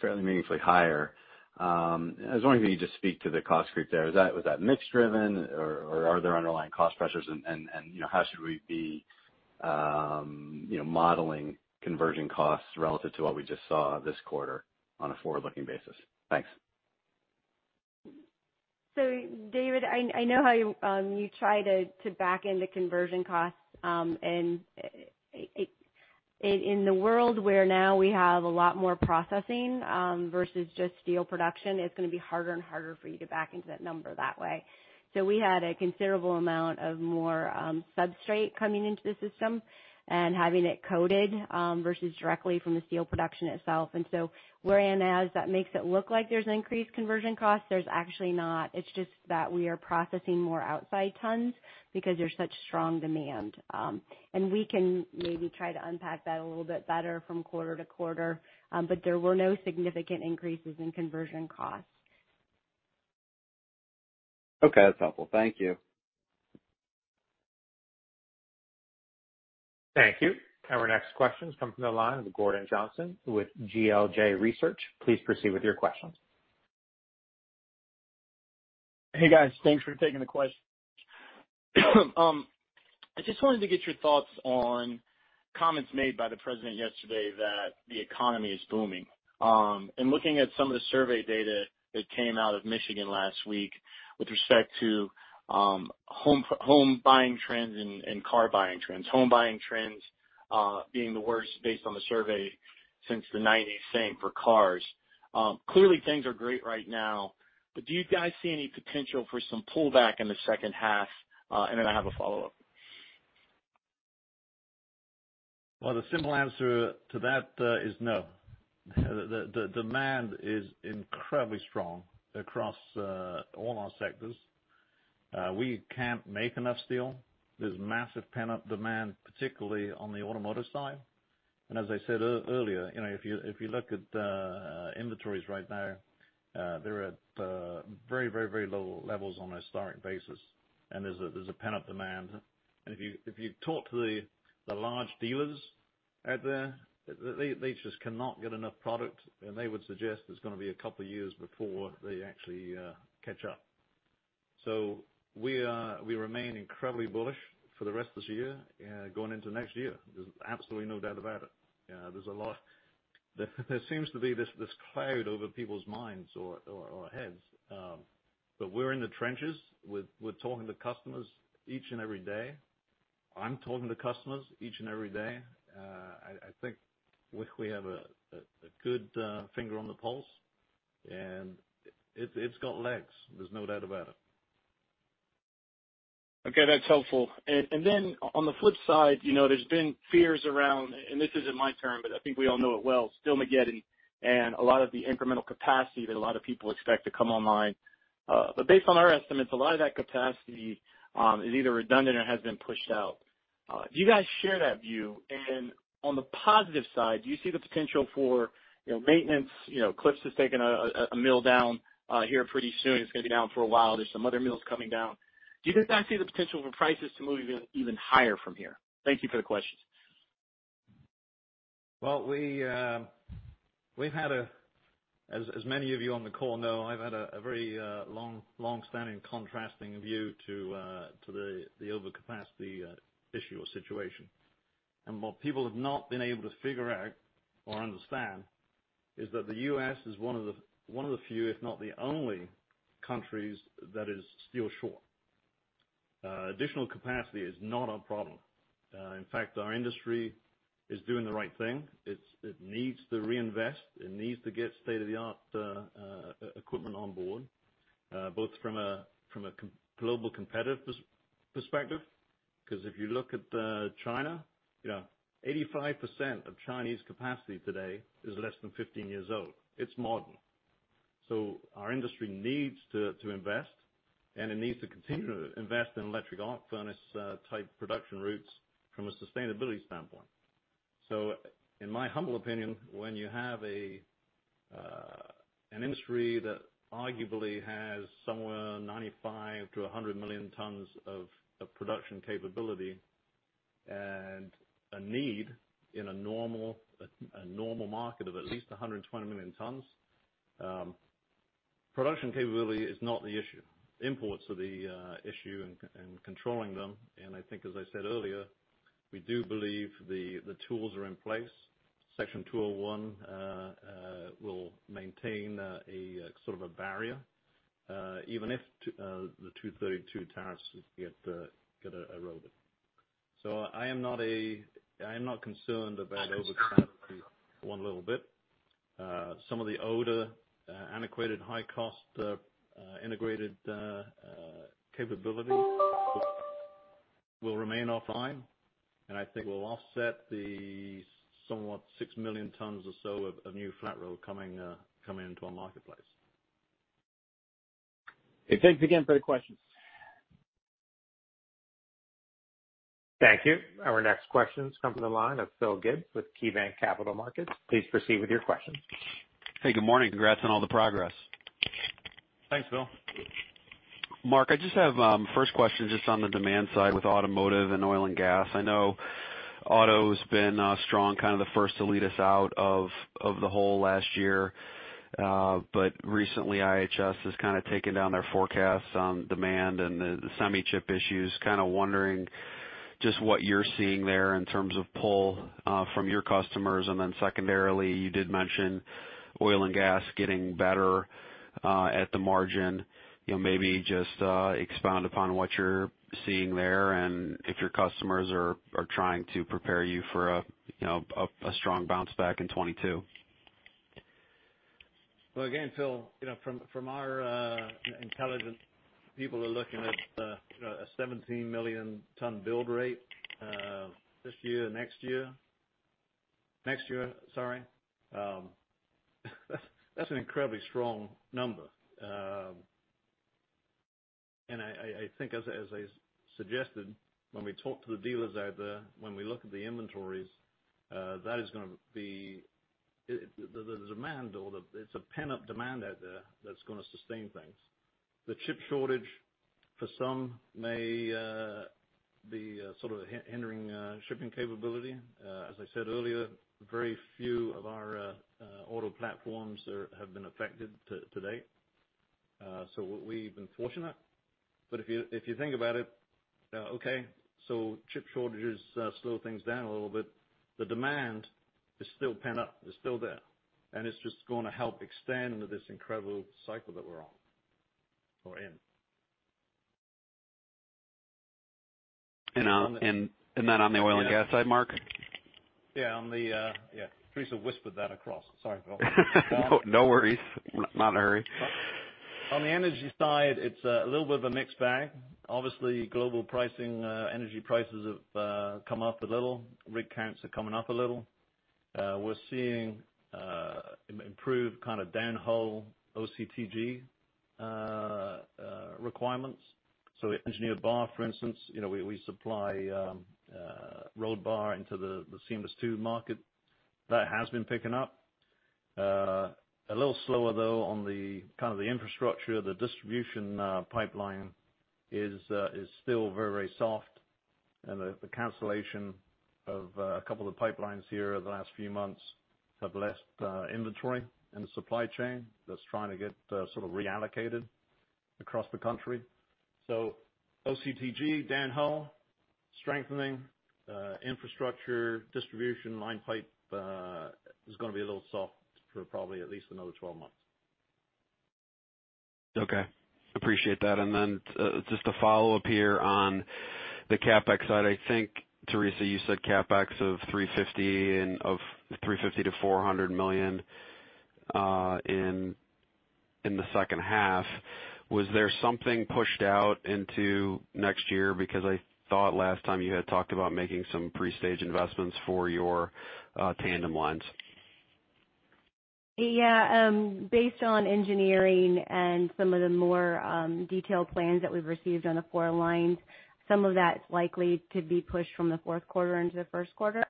fairly meaningfully higher. I was wondering if you could just speak to the cost creep there. Was that mix driven or are there underlying cost pressures and how should we be modeling conversion costs relative to what we just saw this quarter on a forward-looking basis? Thanks. David, I know how you try to back into conversion costs. In the world where now we have a lot more processing versus just steel production, it's going to be harder and harder for you to back into that number that way. We had a considerable amount of more substrate coming into the system and having it coated versus directly from the steel production itself. Wherein as that makes it look like there's an increased conversion cost, there's actually not. It's just that we are processing more outside tons because there's such strong demand. We can maybe try to unpack that a little bit better from quarter-to-quarter. There were no significant increases in conversion costs. Okay, that's helpful. Thank you. Thank you. Our next question comes from the line of Gordon Johnson with GLJ Research. Please proceed with your questions. Hey, guys. Thanks for taking the question. I just wanted to get your thoughts on comments made by the President yesterday that the economy is booming. In looking at some of the survey data that came out of Michigan last week with respect to home buying trends and car buying trends. Home buying trends being the worst, based on the survey, since the 1990s, same for cars. Clearly, things are great right now, but do you guys see any potential for some pullback in the second half? I have a follow-up. Well, the simple answer to that is no. The demand is incredibly strong across all our sectors. We can't make enough steel. There's massive pent-up demand, particularly on the automotive side. As I said earlier, if you look at inventories right now, they're at very low levels on a historic basis. There's a pent-up demand. If you talk to the large dealers out there, they just cannot get enough product. They would suggest it's going to be a couple of years before they actually catch up. We remain incredibly bullish for the rest of this year going into next year. There's absolutely no doubt about it. There seems to be this cloud over people's minds or heads. We're in the trenches. We're talking to customers each and every day. I'm talking to customers each and every day. I think we have a good finger on the pulse, and it's got legs. There's no doubt about it. Okay, that's helpful. Then on the flip side, there's been fears around, and this isn't my term, but I think we all know it well, Steelmageddon, and a lot of the incremental capacity that a lot of people expect to come online. Based on our estimates, a lot of that capacity is either redundant or has been pushed out. Do you guys share that view? On the positive side, do you see the potential for maintenance? Cliffs has taken a mill down here pretty soon. It's going to be down for a while. There are some other mills coming down. Do you guys see the potential for prices to move even higher from here? Thank you for the question. Well, as many of you on the call know, I've had a very long-standing contrasting view to the overcapacity issue or situation. What people have not been able to figure out or understand is that the U.S. is one of the few, if not the only, countries that is still short. Additional capacity is not our problem. In fact, our industry is doing the right thing. It needs to reinvest. It needs to get state-of-the-art equipment on board both from a global competitive perspective, because if you look at China, 85% of Chinese capacity today is less than 15 years old. It's modern. Our industry needs to invest, and it needs to continue to invest in electric arc furnace-type production routes from a sustainability standpoint. In my humble opinion, when you have an industry that arguably has somewhere 95 million-100 million tons of production capability and a need in a normal market of at least 120 million tons, production capability is not the issue. Imports are the issue and controlling them. I think, as I said earlier, we do believe the tools are in place. Section 201 will maintain sort of a barrier, even if the 232 tariffs get eroded. I am not concerned about overcapacity one little bit. Some of the older, antiquated, high-cost integrated capabilities will remain offline, and I think will offset the somewhat 6 million tons or so of new flat roll coming into our marketplace. Hey, thanks again for the question. Thank you. Our next question comes from the line of Phil Gibbs with KeyBanc Capital Markets. Please proceed with your question. Hey, good morning. Congrats on all the progress. Thanks, Phil. Mark, I just have first question just on the demand side with automotive and oil and gas. I know auto's been strong, kind of the first to lead us out of the hole last year. Recently, IHS has kind of taken down their forecasts on demand and the semi-chip issues. Kind of wondering just what you're seeing there in terms of pull from your customers. Secondarily, you did mention oil and gas getting better at the margin. Maybe just expound upon what you're seeing there and if your customers are trying to prepare you for a strong bounce back in 2022. Well, again, Phil, from our intelligence, people are looking at a 17 million-ton build rate this year, next year. Next year, sorry. That's an incredibly strong number. I think as I suggested, when we talk to the dealers out there, when we look at the inventories, there's a pent-up demand out there that's going to sustain things. The chip shortage for some may be sort of hindering shipping capability. As I said earlier, very few of our auto platforms have been affected to date. We've been fortunate. If you think about it, okay, so chip shortages slow things down a little bit. The demand is still pent up. It's still there, and it's just going to help extend this incredible cycle that we're on or in. On the oil and gas side, Mark? Yeah. Theresa whispered that across. Sorry, Phil. No worries. Not in a hurry. On the energy side, it's a little bit of a mixed bag. Global pricing, energy prices have come up a little. Rig counts are coming up a little. We're seeing improved kind of downhole OCTG requirements. The engineered bar, for instance, we supply round bar into the seamless tube market. That has been picking up. A little slower, though, on the kind of the infrastructure, the distribution pipeline is still very soft. The cancellation of a couple of pipelines here over the last few months have left inventory in the supply chain that's trying to get sort of reallocated across the country. OCTG, downhole strengthening, infrastructure, distribution line pipe is going to be a little soft for probably at least another 12 months. Okay. Appreciate that. Just a follow-up here on the CapEx side. I think, Theresa, you said CapEx of $350 million-$400 million in the second half. Was there something pushed out into next year? I thought last time you had talked about making some pre-stage investments for your tandem lines. Yeah. Based on engineering and some of the more detailed plans that we've received on the 4 lines, some of that's likely to be pushed from the fourth quarter into the first quarter.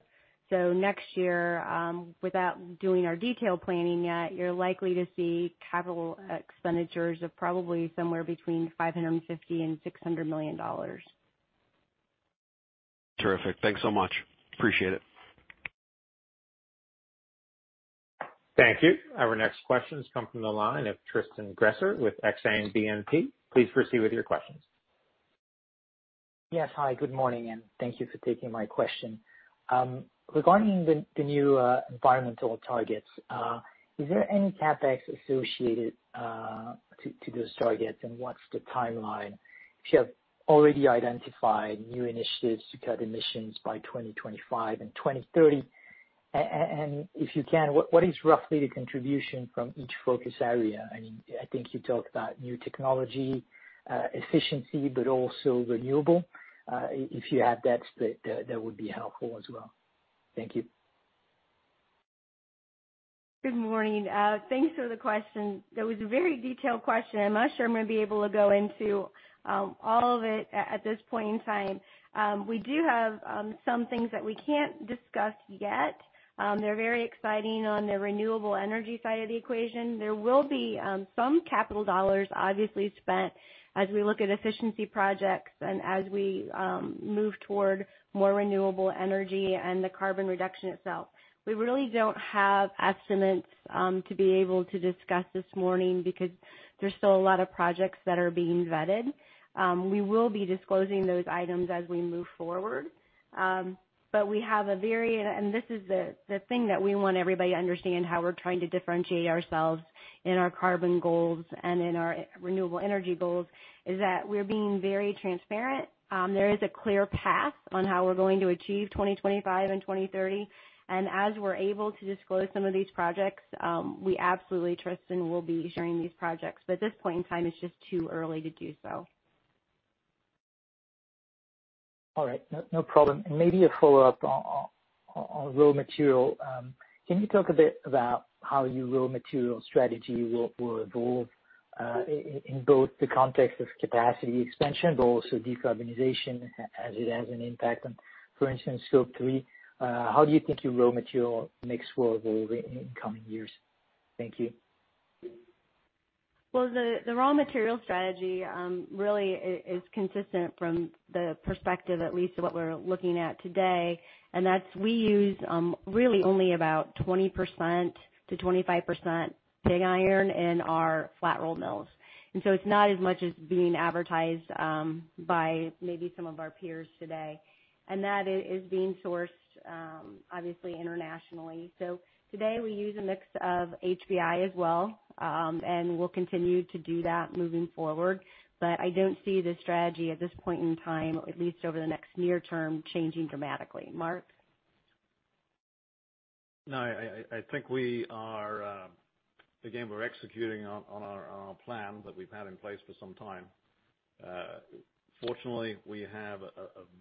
Next year, without doing our detail planning yet, you're likely to see capital expenditures of probably somewhere between $550 million and $600 million. Terrific. Thanks so much. Appreciate it. Thank you. Our next question comes from the line of Tristan Gresser with Exane BNP. Please proceed with your questions. Yes. Hi, good morning. Thank you for taking my question. Regarding the new environmental targets, is there any CapEx associated to those targets? What's the timeline if you have already identified new initiatives to cut emissions by 2025 and 2030? If you can, what is roughly the contribution from each focus area? I think you talked about new technology, efficiency, but also renewable. If you have that would be helpful as well. Thank you. Good morning. Thanks for the question. That was a very detailed question. I'm not sure I'm going to be able to go into all of it at this point in time. We do have some things that we can't discuss yet. They're very exciting on the renewable energy side of the equation. There will be some capital dollars obviously spent as we look at efficiency projects and as we move toward more renewable energy and the carbon reduction itself. We really don't have estimates to be able to discuss this morning because there's still a lot of projects that are being vetted. We will be disclosing those items as we move forward. [But we have a very -- and] this is the thing that we want everybody to understand how we're trying to differentiate ourselves in our carbon goals and in our renewable energy goals, is that we're being very transparent. There is a clear path on how we're going to achieve 2025 and 2030. As we're able to disclose some of these projects, we absolutely trust and will be sharing these projects. At this point in time, it's just too early to do so. All right. No problem. Maybe a follow-up on raw material. Can you talk a bit about how your raw material strategy will evolve in both the context of capacity expansion, but also decarbonization as it has an impact on, for instance, Scope 3? How do you think your raw material mix will evolve in coming years? Thank you. Well, the raw material strategy really is consistent from the perspective, at least of what we're looking at today, and that's we use really only about 20%-25% pig iron in our flat roll mills. It's not as much as being advertised by maybe some of our peers today. That is being sourced obviously internationally. Today we use a mix of HBI as well, and we'll continue to do that moving forward. I don't see the strategy at this point in time, at least over the next near term, changing dramatically. Mark? No, I think we are, again, we're executing on our plan that we've had in place for some time. Fortunately, we have a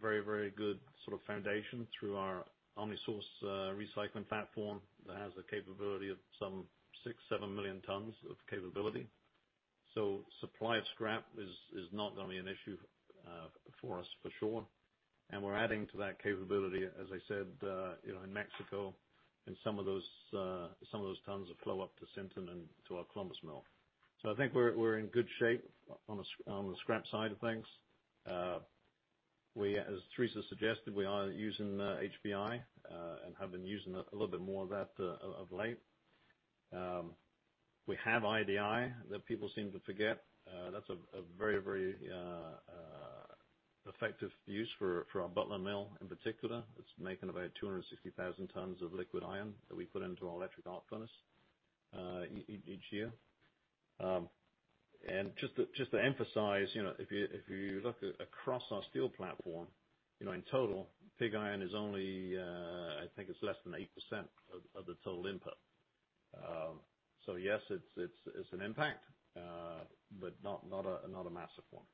very good sort of foundation through our OmniSource recycling platform that has the capability of some six, seven million tons of capability. Supply of scrap is not going to be an issue for us for sure. We're adding to that capability, as I said, in Mexico and some of those tons of flow up to Sinton and to our Columbus mill. I think we're in good shape on the scrap side of things. As Theresa suggested, we are using HBI, and have been using a little bit more of that of late. We have IDI that people seem to forget. That's a very effective use for our Butler Mill in particular. It's making about 260,000 tons of liquid iron that we put into our electric arc furnace each year. Just to emphasize, if you look across our steel platform, in total, pig iron is only, I think it's less than 8% of the total input. Yes, it's an impact, but not a massive one.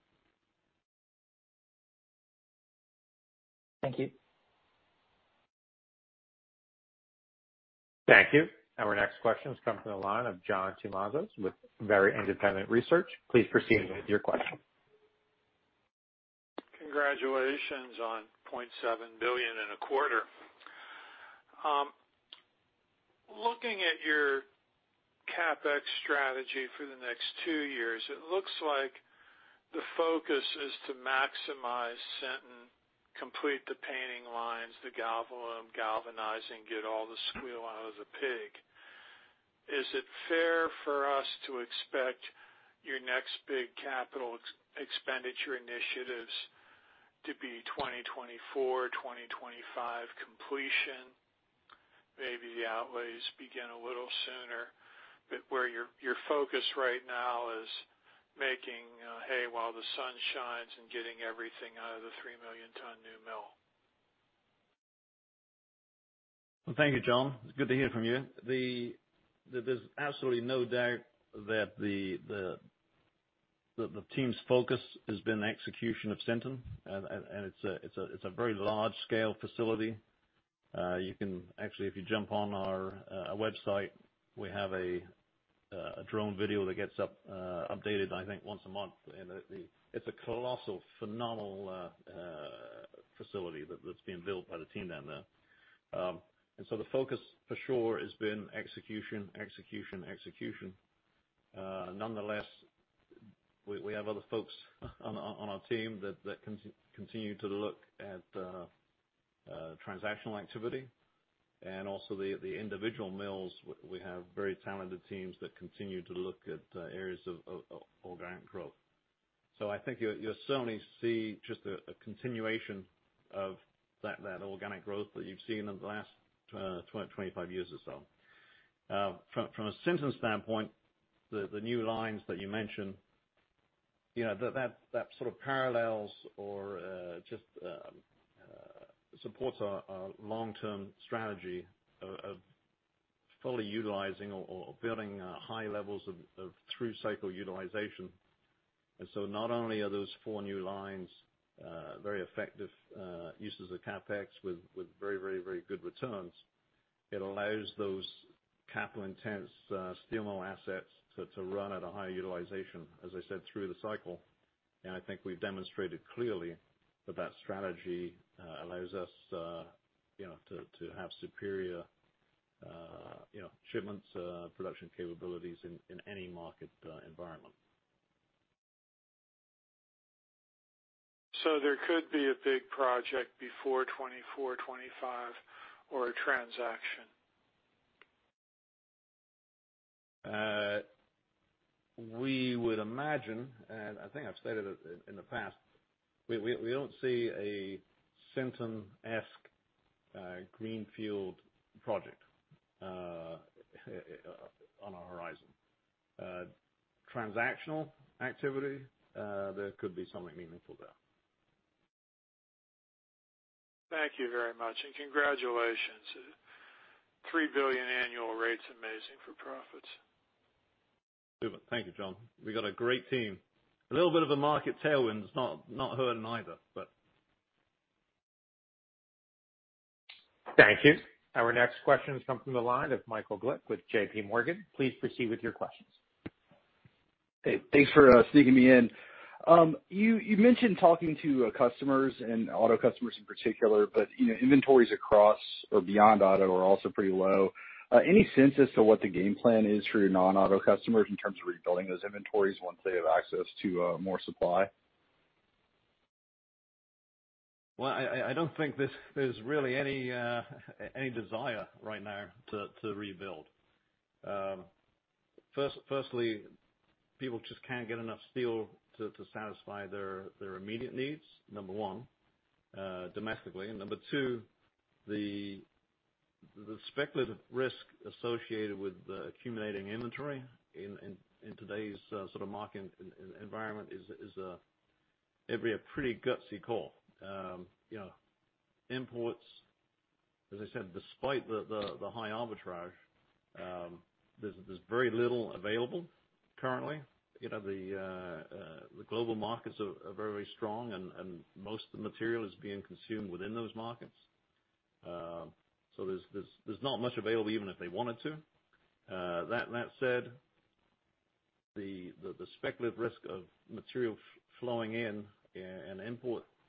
Thank you. Thank you. Our next question comes from the line of John Tumazos with Very Independent Research. Please proceed with your question. Congratulations on $0.7 billion in a quarter. Looking at your CapEx strategy for the next 2 years, it looks like the focus is to maximize Sinton, complete the painting lines, the galvanizing, get all the squeal out of the pig. Is it fair for us to expect your next big capital expenditure initiatives to be 2024, 2025 completion? Maybe the outlays begin a little sooner, but where your focus right now is making hay while the sun shines and getting everything out of the 3-million-ton new mill. Well, thank you, John. It's good to hear from you. There's absolutely no doubt that the team's focus has been execution of Sinton, and it's a very large-scale facility. You can actually, if you jump on our website, we have a drone video that gets updated, I think, once a month. It's a colossal, phenomenal facility that's being built by the team down there. The focus for sure has been execution. Nonetheless, we have other folks on our team that continue to look at transactional activity and also the individual mills. We have very talented teams that continue to look at areas of organic growth. I think you'll certainly see just a continuation of that organic growth that you've seen in the last 25 years or so. From a Sinton standpoint, the new lines that you mentioned, that sort of parallels or just supports our long-term strategy of fully utilizing or building high levels of through-cycle utilization. Not only are those four new lines very effective uses of CapEx with very good returns, it allows those capital-intense steel mill assets to run at a high utilization, as I said, through the cycle. I think we've demonstrated clearly that that strategy allows us to have superior shipments, production capabilities in any market environment. [So,] there could be a big project before 2024, 2025, or a transaction? We would imagine, and I think I've stated it in the past, we don't see a Sinton, [Texas] greenfield project on our horizon. Transactional activity, there could be something meaningful there. Thank you very much, and congratulations. $3 billion annual rate's amazing for profits. Super. Thank you, John. We got a great team. A little bit of a market tailwind. It's not hurting either. Thank you. Our next question comes from the line of Michael Glick with JPMorgan. Please proceed with your questions. Hey, thanks for sneaking me in. You mentioned talking to customers and auto customers in particular, but inventories across or beyond auto are also pretty low. Any sense as to what the game plan is for your non-auto customers in terms of rebuilding those inventories once they have access to more supply? Well, I don't think there's really any desire right now to rebuild. Firstly, people just can't get enough steel to satisfy their immediate needs, number one, domestically. Number two, the speculative risk associated with accumulating inventory in today's sort of market environment is it'd be a pretty gutsy call. Imports, as I said, despite the high arbitrage, there's very little available currently. The global markets are very strong, and most of the material is being consumed within those markets. There's not much available even if they wanted to. That said, the speculative risk of material flowing in and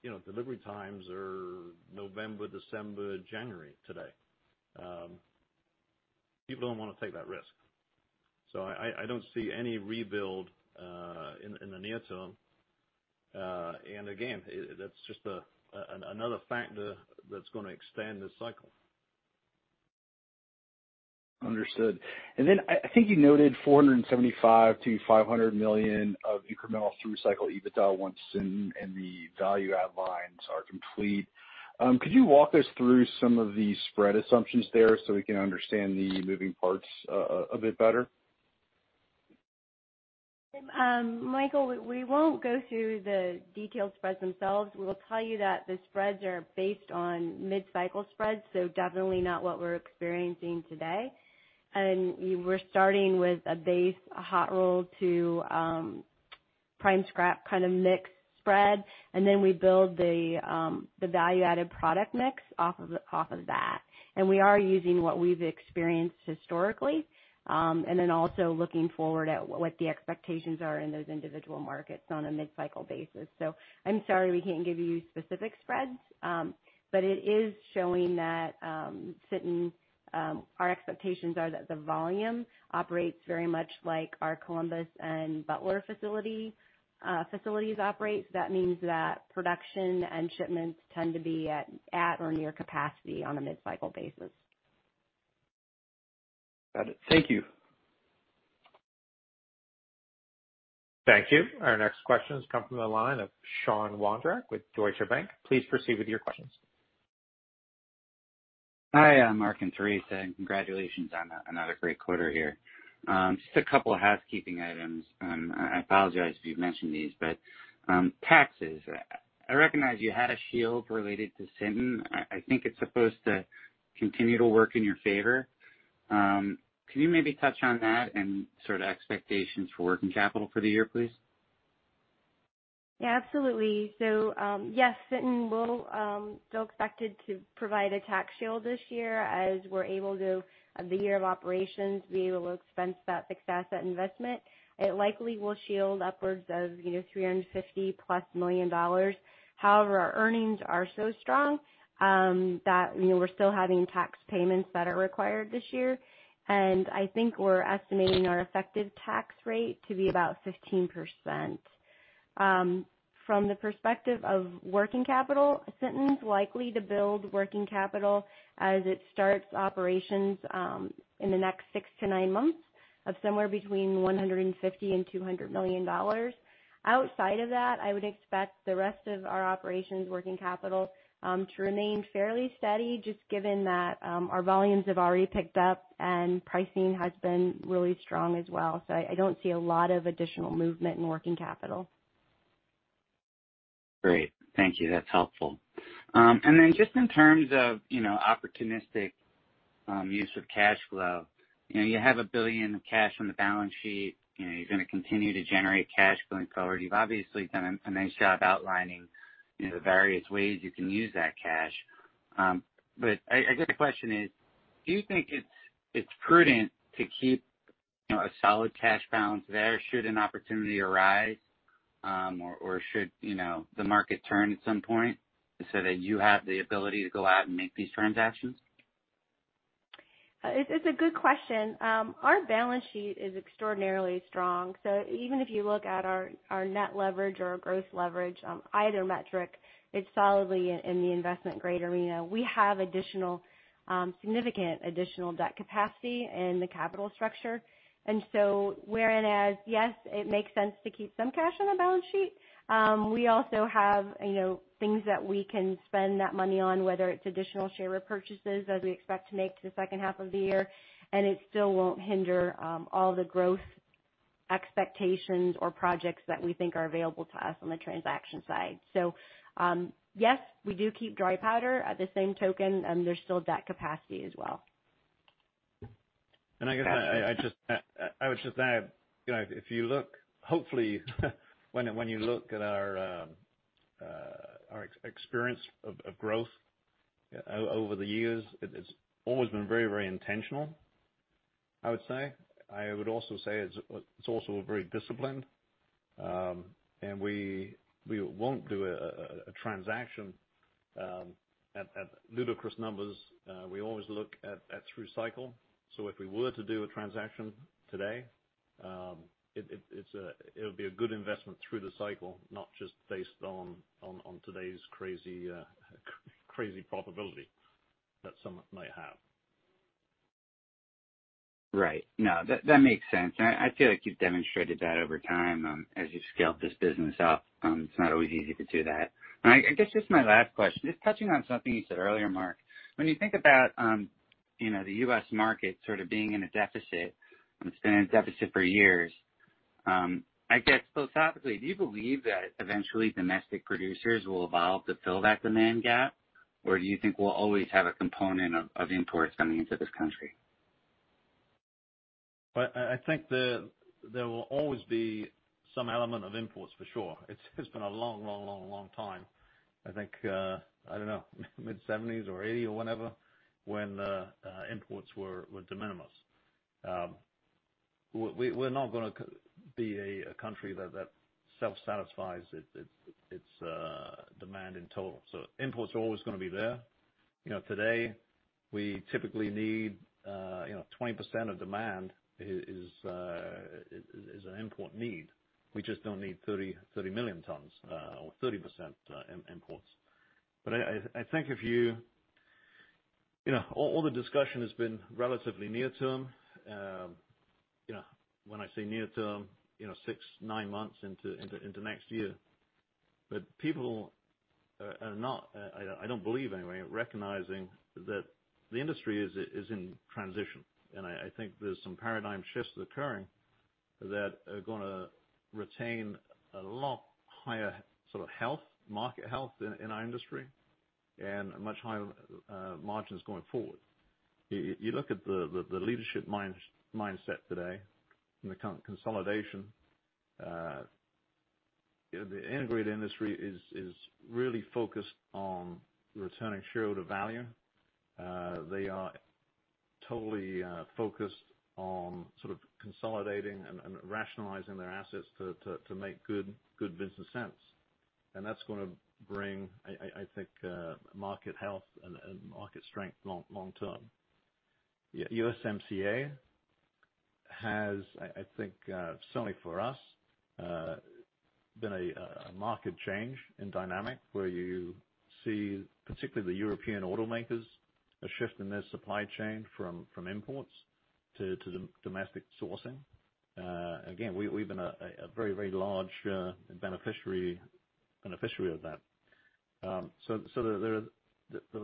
import delivery times are November, December, January today. People don't want to take that risk. I don't see any rebuild in the near term. Again, that's just another factor that's going to extend this cycle. Understood. Then I think you noted $475 million-$500 million of incremental through-cycle EBITDA once Sinton and the value-add lines are complete. Could you walk us through some of the spread assumptions there so we can understand the moving parts a bit better? Michael, we won't go through the detailed spreads themselves. We will tell you that the spreads are based on mid-cycle spreads, definitely not what we're experiencing today. We're starting with a base, a hot roll to prime scrap kind of mix spread, then we build the value-added product mix off of that. We are using what we've experienced historically, then also looking forward at what the expectations are in those individual markets on a mid-cycle basis. I'm sorry we can't give you specific spreads, it is showing that Sinton, our expectations are that the volume operates very much like our Columbus and Butler facilities operate. That means that production and shipments tend to be at or near capacity on a mid-cycle basis. Got it. Thank you. Thank you. Our next question comes from the line of Sean Wondrack with Deutsche Bank. Please proceed with your questions. Hi, Mark and Theresa. And congratulations on another great quarter here. Just a couple of housekeeping items. I apologize if you've mentioned these, but taxes. I recognize you had a shield related to Sinton. I think it's supposed to continue to work in your favor. Can you maybe touch on that and sort of expectations for working capital for the year, please? Yeah, absolutely. Yes, Sinton will still be expected to provide a tax shield this year as we're able to, the year of operations, be able to expense that fixed asset investment. It likely will shield upwards of $350+ million. However, our earnings are so strong that we're still having tax payments that are required this year. I think we're estimating our effective tax rate to be about 15%. From the perspective of working capital, Sinton is likely to build working capital as it starts operations in the next six to nine months of somewhere between $150 million and $200 million. Outside of that, I would expect the rest of our operations working capital to remain fairly steady, just given that our volumes have already picked up and pricing has been really strong as well. I don't see a lot of additional movement in working capital. Great. Thank you. That's helpful. Then just in terms of opportunistic use of cash flow, you have $1 billion of cash on the balance sheet. You're going to continue to generate cash going forward. You've obviously done a nice job outlining the various ways you can use that cash. I guess the question is, do you think it's prudent to keep a solid cash balance there should an opportunity arise? Should the market turn at some point so that you have the ability to go out and make these transactions? It's a good question. Our balance sheet is extraordinarily strong. Even if you look at our net leverage or our gross leverage, either metric is solidly in the investment-grade arena. We have significant additional debt capacity in the capital structure. Whereas, yes, it makes sense to keep some cash on the balance sheet, we also have things that we can spend that money on, whether it's additional share repurchases as we expect to make the second half of the year, and it still won't hinder all the growth expectations or projects that we think are available to us on the transaction side. Yes, we do keep dry powder. At the same token, there's still debt capacity as well. I guess [I'd just- I would just add. If you look --] hopefully when you look at our experience of growth over the years, it's always been very intentional, I would say. I would also say it's also very disciplined. We won't do a transaction at ludicrous numbers. We always look at through cycle. If we were to do a transaction today, it would be a good investment through the cycle, not just based on today's crazy profitability that some might have. Right. No, that makes sense. I feel like you've demonstrated that over time as you've scaled this business up. It's not always easy to do that. I guess just my last question, just touching on something you said earlier, Mark. When you think about the U.S. market sort of being in a deficit, and it's been in a deficit for years. I guess philosophically, do you believe that eventually domestic producers will evolve to fill that demand gap? Or do you think we'll always have a component of imports coming into this country? I think there will always be some element of imports for sure. It's been a long time, I think, I don't know, mid-1970s or 1980 or whenever, when imports were de minimis. We're not going to be a country that self-satisfies its demand in total. Imports are always going to be there. Today, we typically need 20% of demand is an import need. We just don't need 30 million tons or 30% imports. I think all the discussion has been relatively near term. When I say near-term, six, nine months into next year. People are not, I don't believe anyway, recognizing that the industry is in transition. I think there's some paradigm shifts occurring that are going to retain a lot higher sort of health, market health in our industry and much higher margins going forward. You look at the leadership mindset today and the consolidation. The integrated industry is really focused on returning shareholder value. They are totally focused on sort of consolidating and rationalizing their assets to make good business sense. That's going to bring, I think, market health and market strength long term. USMCA has, I think, certainly for us, been a market change in dynamic where you see particularly the European automakers are shifting their supply chain from imports to domestic sourcing. Again, we've been a very large beneficiary of that.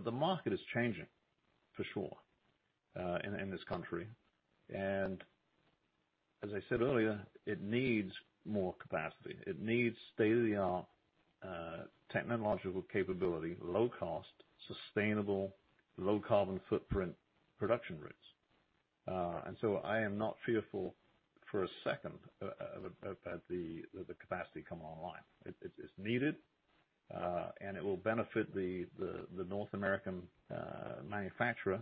The market is changing for sure in this country. As I said earlier, it needs more capacity. It needs state-of-the-art technological capability, low cost, sustainable, low carbon footprint production rates. I am not fearful for a second of the capacity coming online. It's needed, and it will benefit the North American manufacturer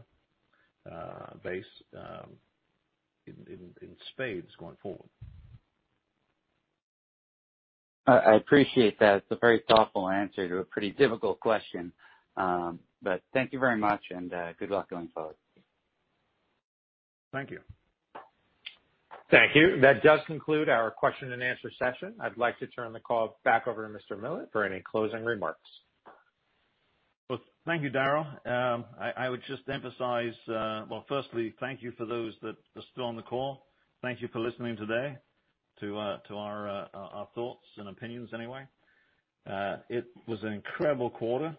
base in spades going forward. I appreciate that. It's a very thoughtful answer to a pretty difficult question. Thank you very much, and good luck going forward. Thank you. Thank you. That does conclude our question and answer session. I'd like to turn the call back over to Mr. Millett for any closing remarks. Thank you, Daryl. I would just emphasize. Firstly, thank you for those that are still on the call. Thank you for listening today to our thoughts and opinions anyway. It was an incredible quarter.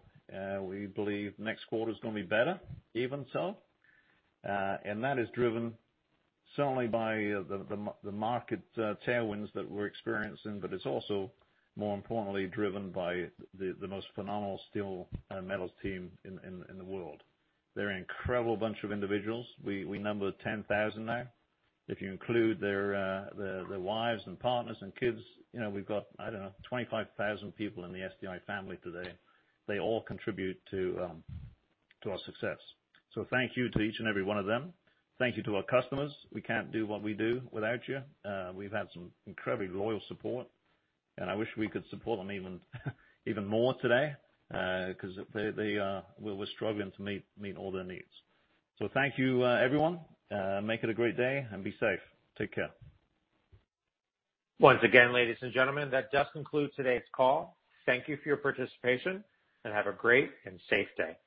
We believe next quarter is going to be better even so. That is driven certainly by the market tailwinds that we're experiencing, but it's also more importantly driven by the most phenomenal steel and metals team in the world. They're an incredible bunch of individuals. We number 10,000 now. If you include their wives and partners and kids, we've got, I don't know, 25,000 people in the SDI family today. They all contribute to our success. Thank you to each and every one of them. Thank you to our customers. We can't do what we do without you. We've had some incredibly loyal support, and I wish we could support them even more today, because we're struggling to meet all their needs. Thank you, everyone. Make it a great day and be safe. Take care. Once again, ladies and gentlemen, that does conclude today's call. Thank you for your participation, and have a great and safe day.